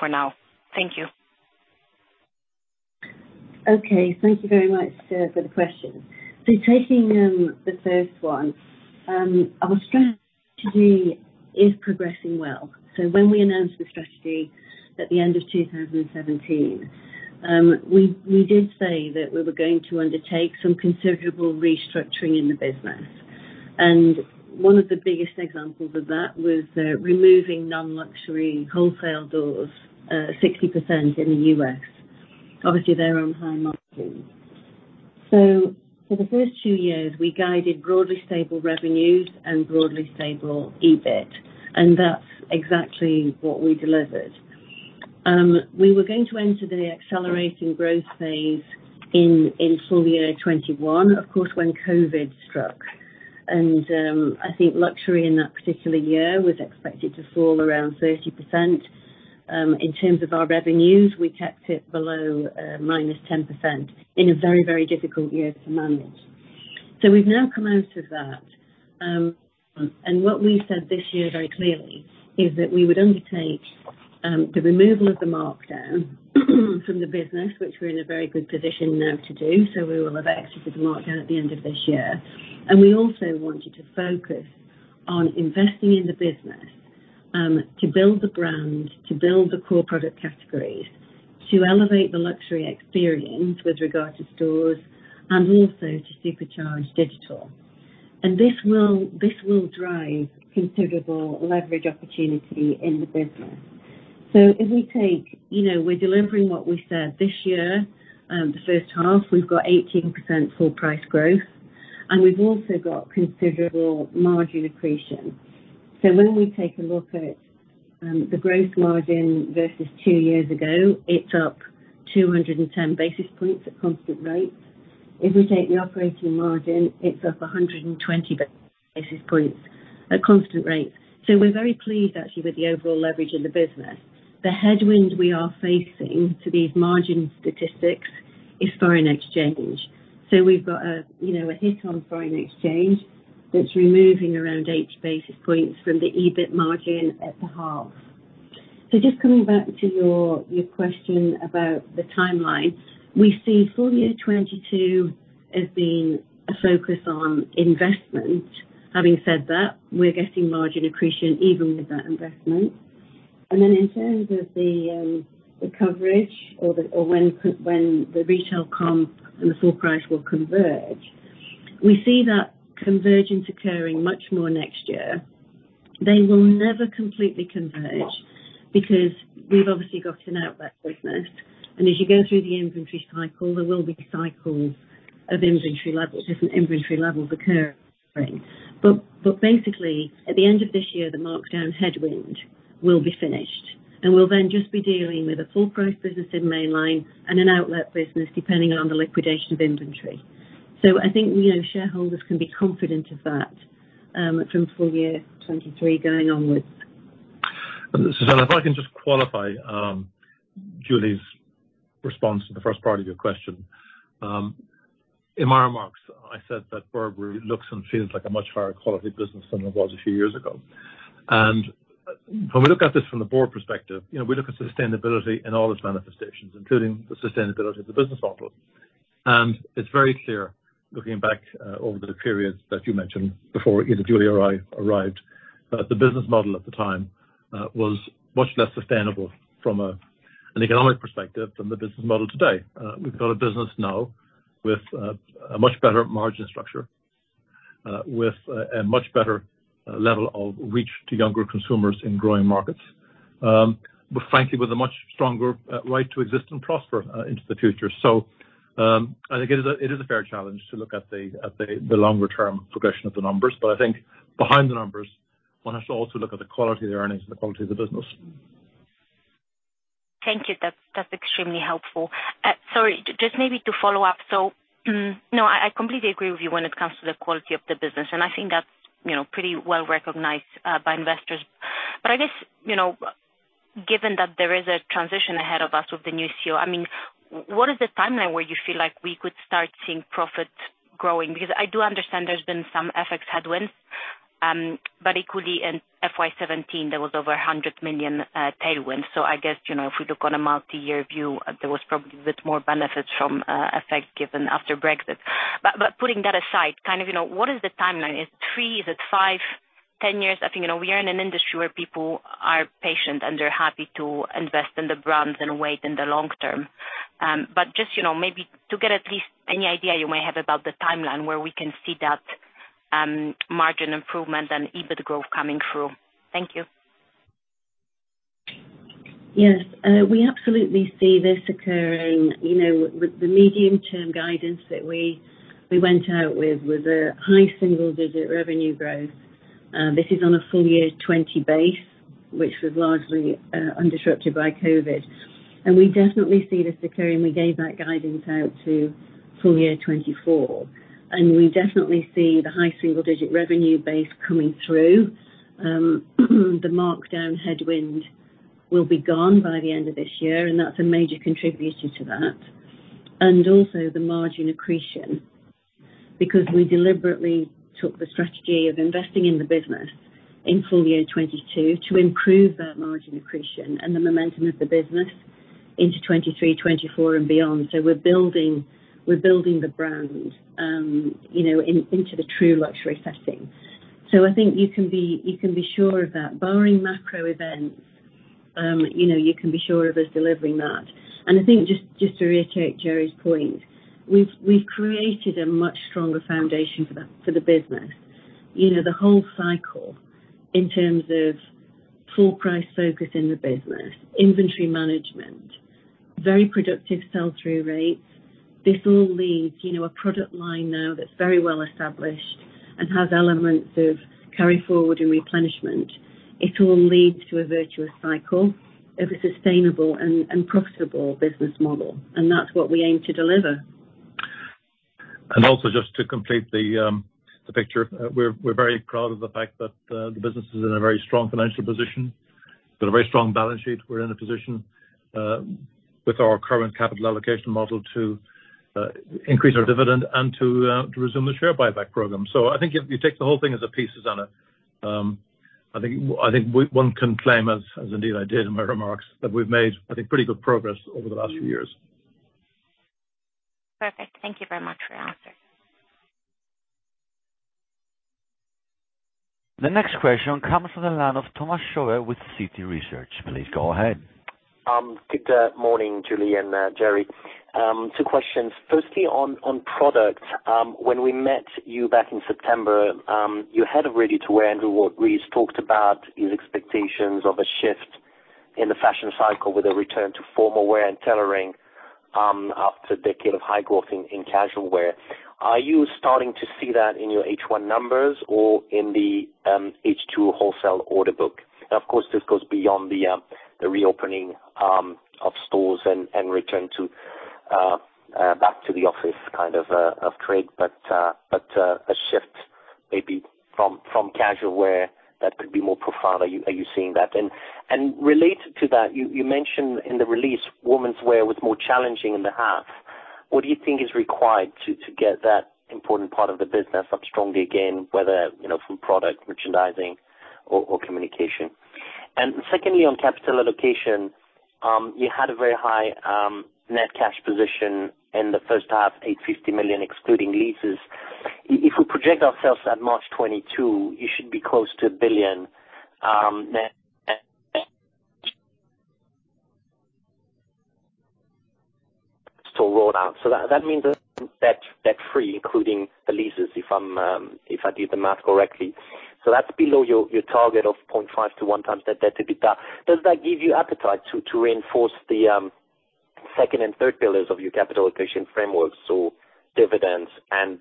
for now. Thank you. Okay. Thank you very much for the question. Taking the first one, our strategy is progressing well. When we announced the strategy at the end of 2017, we did say that we were going to undertake some considerable restructuring in the business. One of the biggest examples of that was removing non-luxury wholesale doors 60% in the U.S. Obviously, they're on high margin. For the first two years, we guided broadly stable revenues and broadly stable EBIT, and that's exactly what we delivered. We were going to enter the accelerating growth phase in full year 2021, of course, when COVID struck. I think luxury in that particular year was expected to fall around 30%. In terms of our revenues, we kept it below minus 10% in a very, very difficult year to manage. We've now come out of that. What we've said this year very clearly is that we would undertake the removal of the markdown from the business, which we're in a very good position now to do, so we will have exited the markdown at the end of this year. We also wanted to focus on investing in the business to build the brand, to build the core product categories, to elevate the luxury experience with regard to stores, and also to supercharge digital. This will drive considerable leverage opportunity in the business. If we take, you know, we're delivering what we said this year, the H1, we've got 18% full price growth, and we've also got considerable margin accretion. When we take a look at the growth margin versus two years ago, it's up 210 basis points at constant rate. If we take the operating margin, it's up 120 basis points at constant rate. We're very pleased actually with the overall leverage in the business. The headwind we are facing to these margin statistics is foreign exchange. We've got a, you know, a hit on foreign exchange that's removing around 8 basis points from the EBIT margin at the half. Just coming back to your question about the timeline, we see full year 2022 as being a focus on investment. Having said that, we're getting margin accretion even with that investment. Then in terms of the coverage or when the retail comp and the full price will converge, we see that convergence occurring much more next year. They will never completely converge because we've obviously got an outlet business. As you go through the inventory cycle, there will be cycles of inventory levels, different inventory levels occurring. Basically, at the end of this year, the markdown headwind will be finished, and we'll then just be dealing with a full price business in mainline and an outlet business, depending on the liquidation of inventory. I think, you know, shareholders can be confident of that from full year 2023 going onwards. Zuzanna, if I can just qualify, Julie's response to the first part of your question. In my remarks, I said that Burberry looks and feels like a much higher quality business than it was a few years ago. When we look at this from the board perspective, you know, we look at sustainability in all its manifestations, including the sustainability of the business model. It's very clear, looking back, over the periods that you mentioned before either Julie or I arrived, that the business model at the time was much less sustainable from an economic perspective than the business model today. We've got a business now with a much better margin structure, with a much better level of reach to younger consumers in growing markets, but frankly, with a much stronger right to exist and prosper into the future. I think it is a fair challenge to look at the longer term progression of the numbers. I think behind the numbers, one has to also look at the quality of the earnings and the quality of the business. Thank you. That's extremely helpful. Sorry, just maybe to follow up. I completely agree with you when it comes to the quality of the business, and I think that's, you know, pretty well-recognized by investors. I guess, you know, given that there is a transition ahead of us with the new CEO, I mean, what is the timeline where you feel like we could start seeing profits growing? Because I do understand there's been some FX headwinds, but equally in FY 2017, there was over 100 million tailwind. I guess, you know, if we look on a multi-year view, there was probably a bit more benefits from FX effect given after Brexit. Putting that aside, kind of, you know, what is the timeline? Is it three? Is it 5? 10 years, I think, you know, we are in an industry where people are patient, and they're happy to invest in the brands and wait in the long term. Just, you know, maybe to get at least any idea you may have about the timeline, where we can see that, margin improvement and EBIT growth coming through. Thank you. Yes. We absolutely see this occurring. You know, with the medium-term guidance that we went out with was a high single-digit revenue growth. This is on a full year 2020 base, which was largely undisrupted by COVID. We definitely see this occurring. We gave that guidance out to full year 2024. We definitely see the high single-digit revenue base coming through. The markdown headwind will be gone by the end of this year, and that's a major contributor to that. Also the margin accretion, because we deliberately took the strategy of investing in the business in full year 2022 to improve that margin accretion and the momentum of the business into 2023, 2024, and beyond. We're building the brand, you know, into the true luxury setting. I think you can be sure of that. Barring macro events, you know, you can be sure of us delivering that. I think just to reiterate Gerry's point, we've created a much stronger foundation for the business. You know, the whole cycle in terms of full price focus in the business, inventory management, very productive sell-through rates. This all leads, you know, a product line now that's very well established and has elements of carry forward and replenishment. It all leads to a virtuous cycle of a sustainable and profitable business model, and that's what we aim to deliver. Also just to complete the picture, we're very proud of the fact that the business is in a very strong financial position. Got a very strong balance sheet. We're in a position with our current capital allocation model to increase our dividend and to resume the share buyback program. I think if you take the whole thing as a pieces on it, I think one can claim as indeed I did in my remarks, that we've made, I think, pretty good progress over the last few years. Perfect. Thank you very much for your answers. The next question comes from the line of Thomas Chauvet with Citi Research. Please go ahead. Good morning, Julie and Gerry. Two questions. Firstly, on product, when we met you back in September, your Head of Ready-to-Wear, Adrian Ward-Rees, really talked about his expectations of a shift in the fashion cycle with a return to formal wear and tailoring, after a decade of high growth in casual wear. Are you starting to see that in your H1 numbers or in the H2 wholesale order book? This goes beyond the reopening of stores and return to back to the office kind of trade, but a shift maybe from casual wear that could be more profound. Are you seeing that? Related to that, you mentioned in the release, womenswear was more challenging in the half. What do you think is required to get that important part of the business up strongly again, whether you know from product merchandising or communication? Secondly, on capital allocation, you had a very high net cash position in the H1, 850 million excluding leases. If we project ourselves at March 2022, you should be close to a billion net, still rolled out. That means that you're debt free, including the leases if I did the math correctly. That's below your target of 0.5-1 times net debt to EBITDA. Does that give you appetite to reinforce the second and third pillars of your capital allocation framework, so dividends and...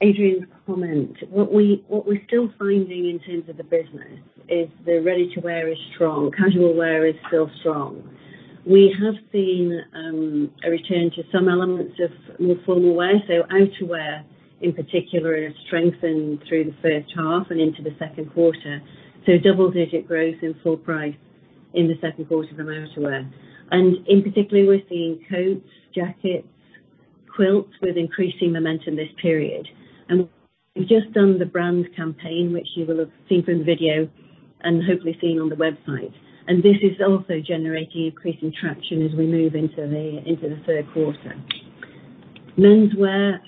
Adrian's comment. What we're still finding in terms of the business is the ready-to-wear is strong, casual wear is still strong. We have seen a return to some elements of more formal wear, so outerwear in particular has strengthened through the H1 and into the Q2. Double-digit growth in full price in the Q2 from outerwear. In particular, we're seeing coats, jackets, quilts with increasing momentum this period. We've just done the brand campaign, which you will have seen from the video and hopefully seen on the website. This is also generating increasing traction as we move into the Q3. Menswear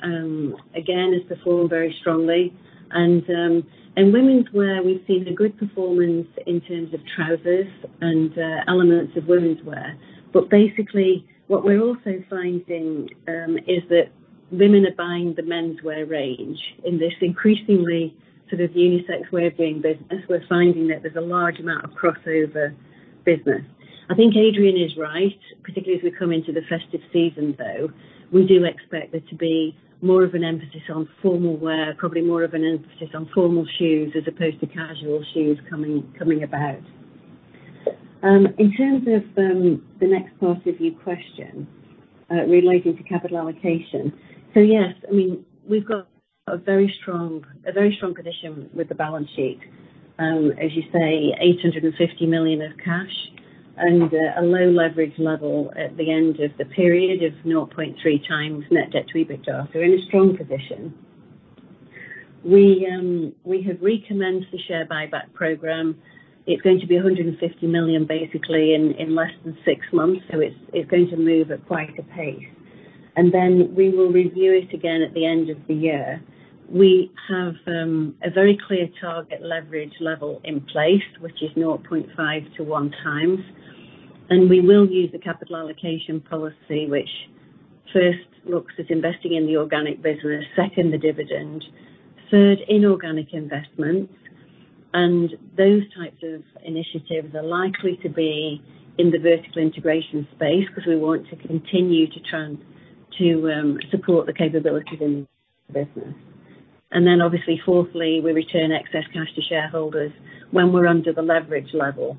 again has performed very strongly. In womenswear, we've seen a good performance in terms of trousers and elements of womenswear. Basically, what we're also finding is that women are buying the menswear range in this increasingly sort of unisex way of doing business. We're finding that there's a large amount of crossover business. I think Adrian is right, particularly as we come into the festive season, we do expect there to be more of an emphasis on formal wear, probably more of an emphasis on formal shoes as opposed to casual shoes coming about. In terms of the next part of your question, relating to capital allocation. Yes, I mean, we've got a very strong position with the balance sheet. As you say, 850 million of cash and a low leverage level at the end of the period of 0.3 times net debt to EBITDA. We're in a strong position. We have recommenced the share buyback program. It's going to be 150 million basically in less than 6 months, so it's going to move at quite a pace. Then we will review it again at the end of the year. We have a very clear target leverage level in place, which is 0.5-1 times. We will use the capital allocation policy, which first looks at investing in the organic business, second, the dividend, third, inorganic investments. Those types of initiatives are likely to be in the vertical integration space because we want to continue to support the capabilities in the business. Then obviously, fourthly, we return excess cash to shareholders when we're under the leverage level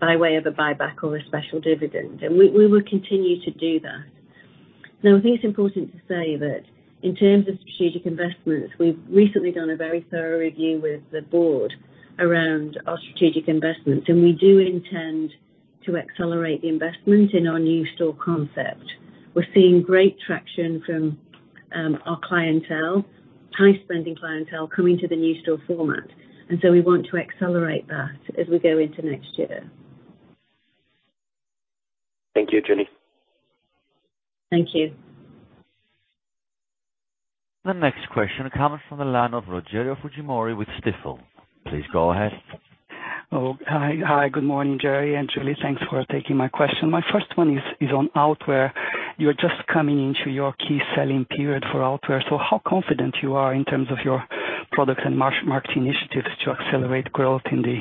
by way of a buyback or a special dividend. We will continue to do that. Now, I think it's important to say that in terms of strategic investments, we've recently done a very thorough review with the board around our strategic investments, and we do intend to accelerate the investment in our new store concept. We're seeing great traction from our clientele, high-spending clientele coming to the new store format, and so we want to accelerate that as we go into next year. Thank you, Julie. Thank you. The next question comes from the line of Rogerio Fujimori with Stifel. Please go ahead. Oh, hi. Hi. Good morning, Gerry and Julie. Thanks for taking my question. My first one is on outerwear. You're just coming into your key selling period for outerwear. How confident are you in terms of your products and marketing initiatives to accelerate growth in the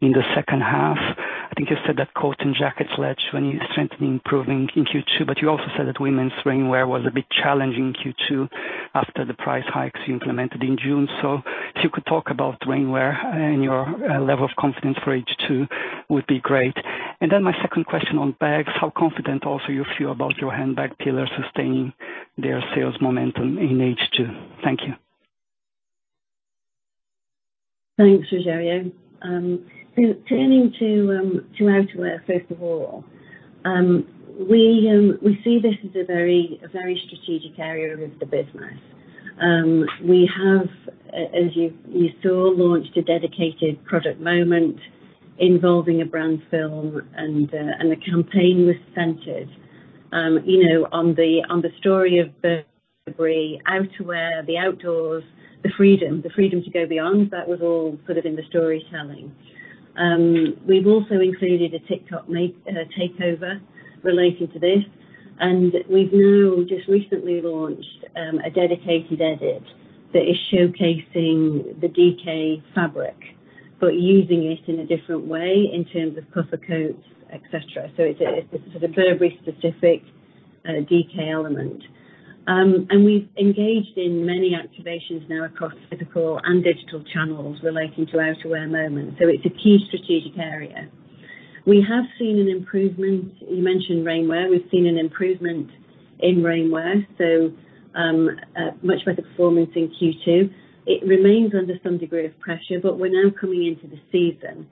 H2? I think you said that coats and jackets led to a strengthening improving in Q2, but you also said that women's rainwear was a bit challenging in Q2 after the price hikes you implemented in June. If you could talk about rainwear and your level of confidence for H2 would be great. My second question on bags, how confident also you feel about your handbag pillar sustaining their sales momentum in H2? Thank you. Thanks, Rogerio. Turning to outerwear, first of all, we see this as a very strategic area of the business. We have, as you saw, launched a dedicated product moment involving a brand film and a campaign centered, you know, on the story of the Burberry outerwear, the outdoors, the freedom to go beyond. That was all put into the storytelling. We've also included a TikTok takeover relating to this, and we've now just recently launched a dedicated edit that is showcasing the EKD fabric, but using it in a different way in terms of puffer coats, et cetera. It's a sort of Burberry specific EKD element. We've engaged in many activations now across physical and digital channels relating to outerwear moments. It's a key strategic area. We have seen an improvement. You mentioned rainwear. We've seen an improvement in rainwear, a much better performance in Q2. It remains under some degree of pressure, but we're now coming into the season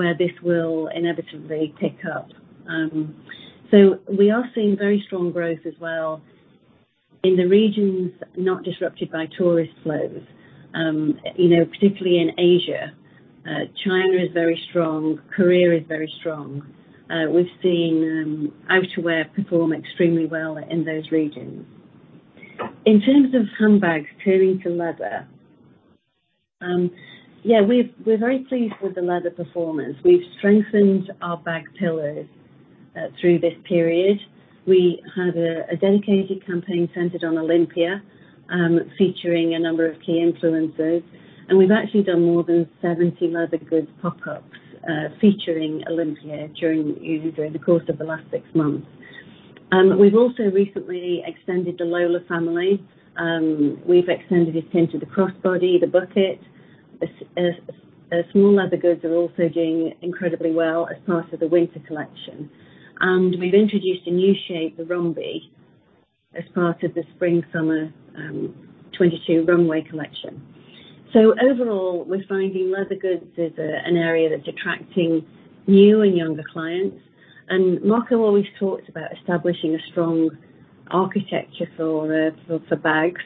where this will inevitably pick up. We are seeing very strong growth as well in the regions not disrupted by tourist flows, you know, particularly in Asia. China is very strong. Korea is very strong. We've seen outwear perform extremely well in those regions. In terms of handbags, turning to leather. We're very pleased with the leather performance. We've strengthened our bag pillars through this period. We had a dedicated campaign centered on Olympia, featuring a number of key influencers, and we've actually done more than 70 leather goods pop-ups, featuring Olympia during you know the course of the last six months. We've also recently extended the Lola family. We've extended it into the crossbody, the bucket. The small leather goods are also doing incredibly well as part of the winter collection. We've introduced a new shape, the Rhombi, as part of the spring/summer 2022 runway collection. Overall, we're finding leather goods is an area that's attracting new and younger clients. Marco always talked about establishing a strong architecture for bags,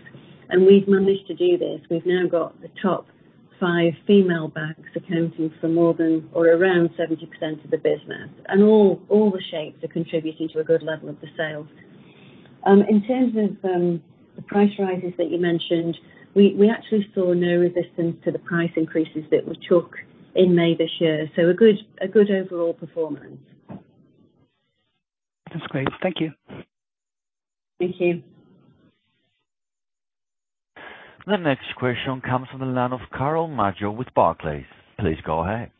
and we've managed to do this. We've now got the top five female bags accounting for more than or around 70% of the business. All the shapes are contributing to a good level of the sales. In terms of the price rises that you mentioned, we actually saw no resistance to the price increases that we took in May this year. A good overall performance. That's great. Thank you. Thank you. The next question comes from the line of Carole Madjo with Barclays. Please go ahead.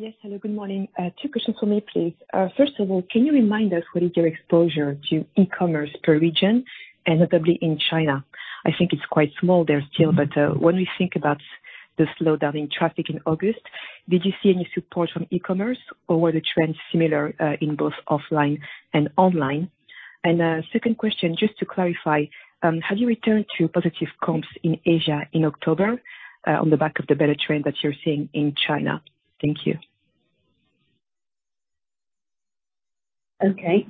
Yes. Hello. Good morning. Two questions from me, please. First of all, can you remind us what is your exposure to e-commerce per region, and notably in China? I think it's quite small there still, but, when we think about the slowdown in traffic in August, did you see any support from e-commerce or were the trends similar, in both offline and online? A second question, just to clarify, have you returned to positive comps in Asia in October, on the back of the better trend that you're seeing in China? Thank you. Okay.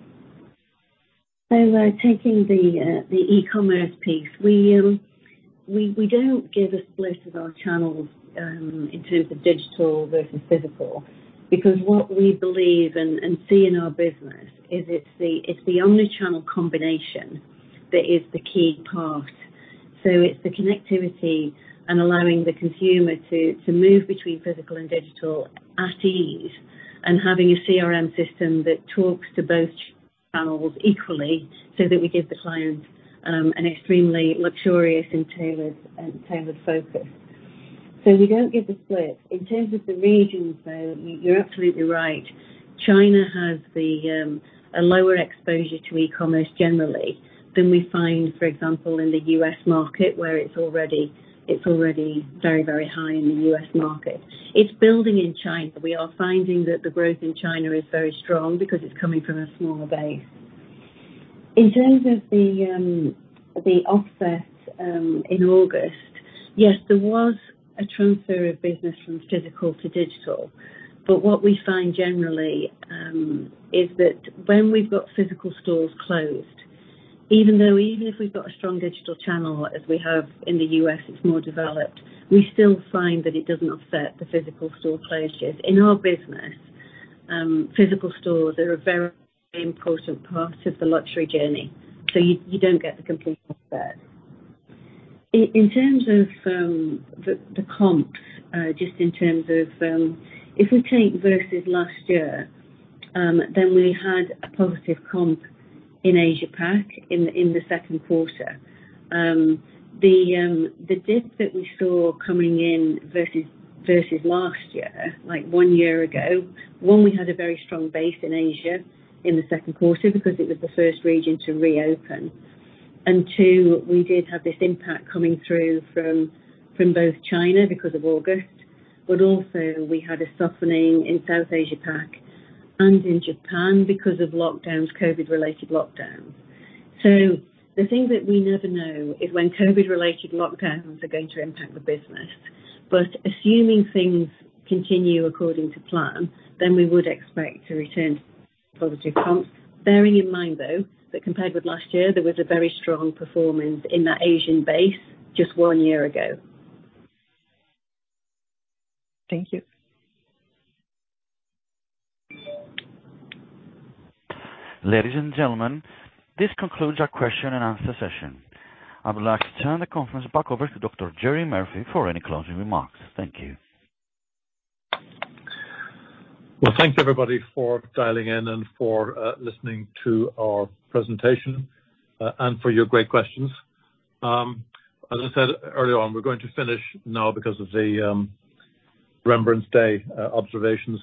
By taking the e-commerce piece, we don't give a split of our channels in terms of digital versus physical, because what we believe and see in our business is it's the only channel combination that is the key part. It's the connectivity and allowing the consumer to move between physical and digital at ease and having a CRM system that talks to both channels equally so that we give the clients an extremely luxurious and tailored focus. We don't give a split. In terms of the regions, though, you're absolutely right. China has a lower exposure to e-commerce generally than we find, for example, in the U.S. market, where it's already very, very high in the U.S. market. It's building in China. We are finding that the growth in China is very strong because it's coming from a smaller base. In terms of the offset, in August, yes, there was a transfer of business from physical to digital. What we find generally is that when we've got physical stores closed, even if we've got a strong digital channel as we have in the U.S., it's more developed, we still find that it doesn't offset the physical store closures. In our business, physical stores are a very important part of the luxury journey, so you don't get the complete offset. In terms of the comps, just in terms of if we take versus last year, then we had a positive comp in Asia Pac in the Q2. The dip that we saw coming in versus last year, like one year ago, one, we had a very strong base in Asia in the Q2 because it was the first region to reopen. Two, we did have this impact coming through from both China because of August, but also we had a softening in South Asia Pac and in Japan because of lockdowns, COVID-related lockdowns. The thing that we never know is when COVID-related lockdowns are going to impact the business. Assuming things continue according to plan, we would expect to return positive comps. Bearing in mind, though, that compared with last year, there was a very strong performance in that Asian base just one year ago. Thank you. Ladies and gentlemen, this concludes our question and answer session. I would like to turn the conference back over to Gerry Murphy for any closing remarks. Thank you. Well, thank you, everybody, for dialing in and for listening to our presentation and for your great questions. As I said earlier on, we're going to finish now because of the Remembrance Day observations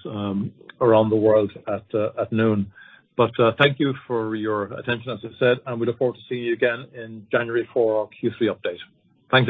around the world at noon. Thank you for your attention, as I said, and we look forward to seeing you again in January for our Q3 update. Thank you.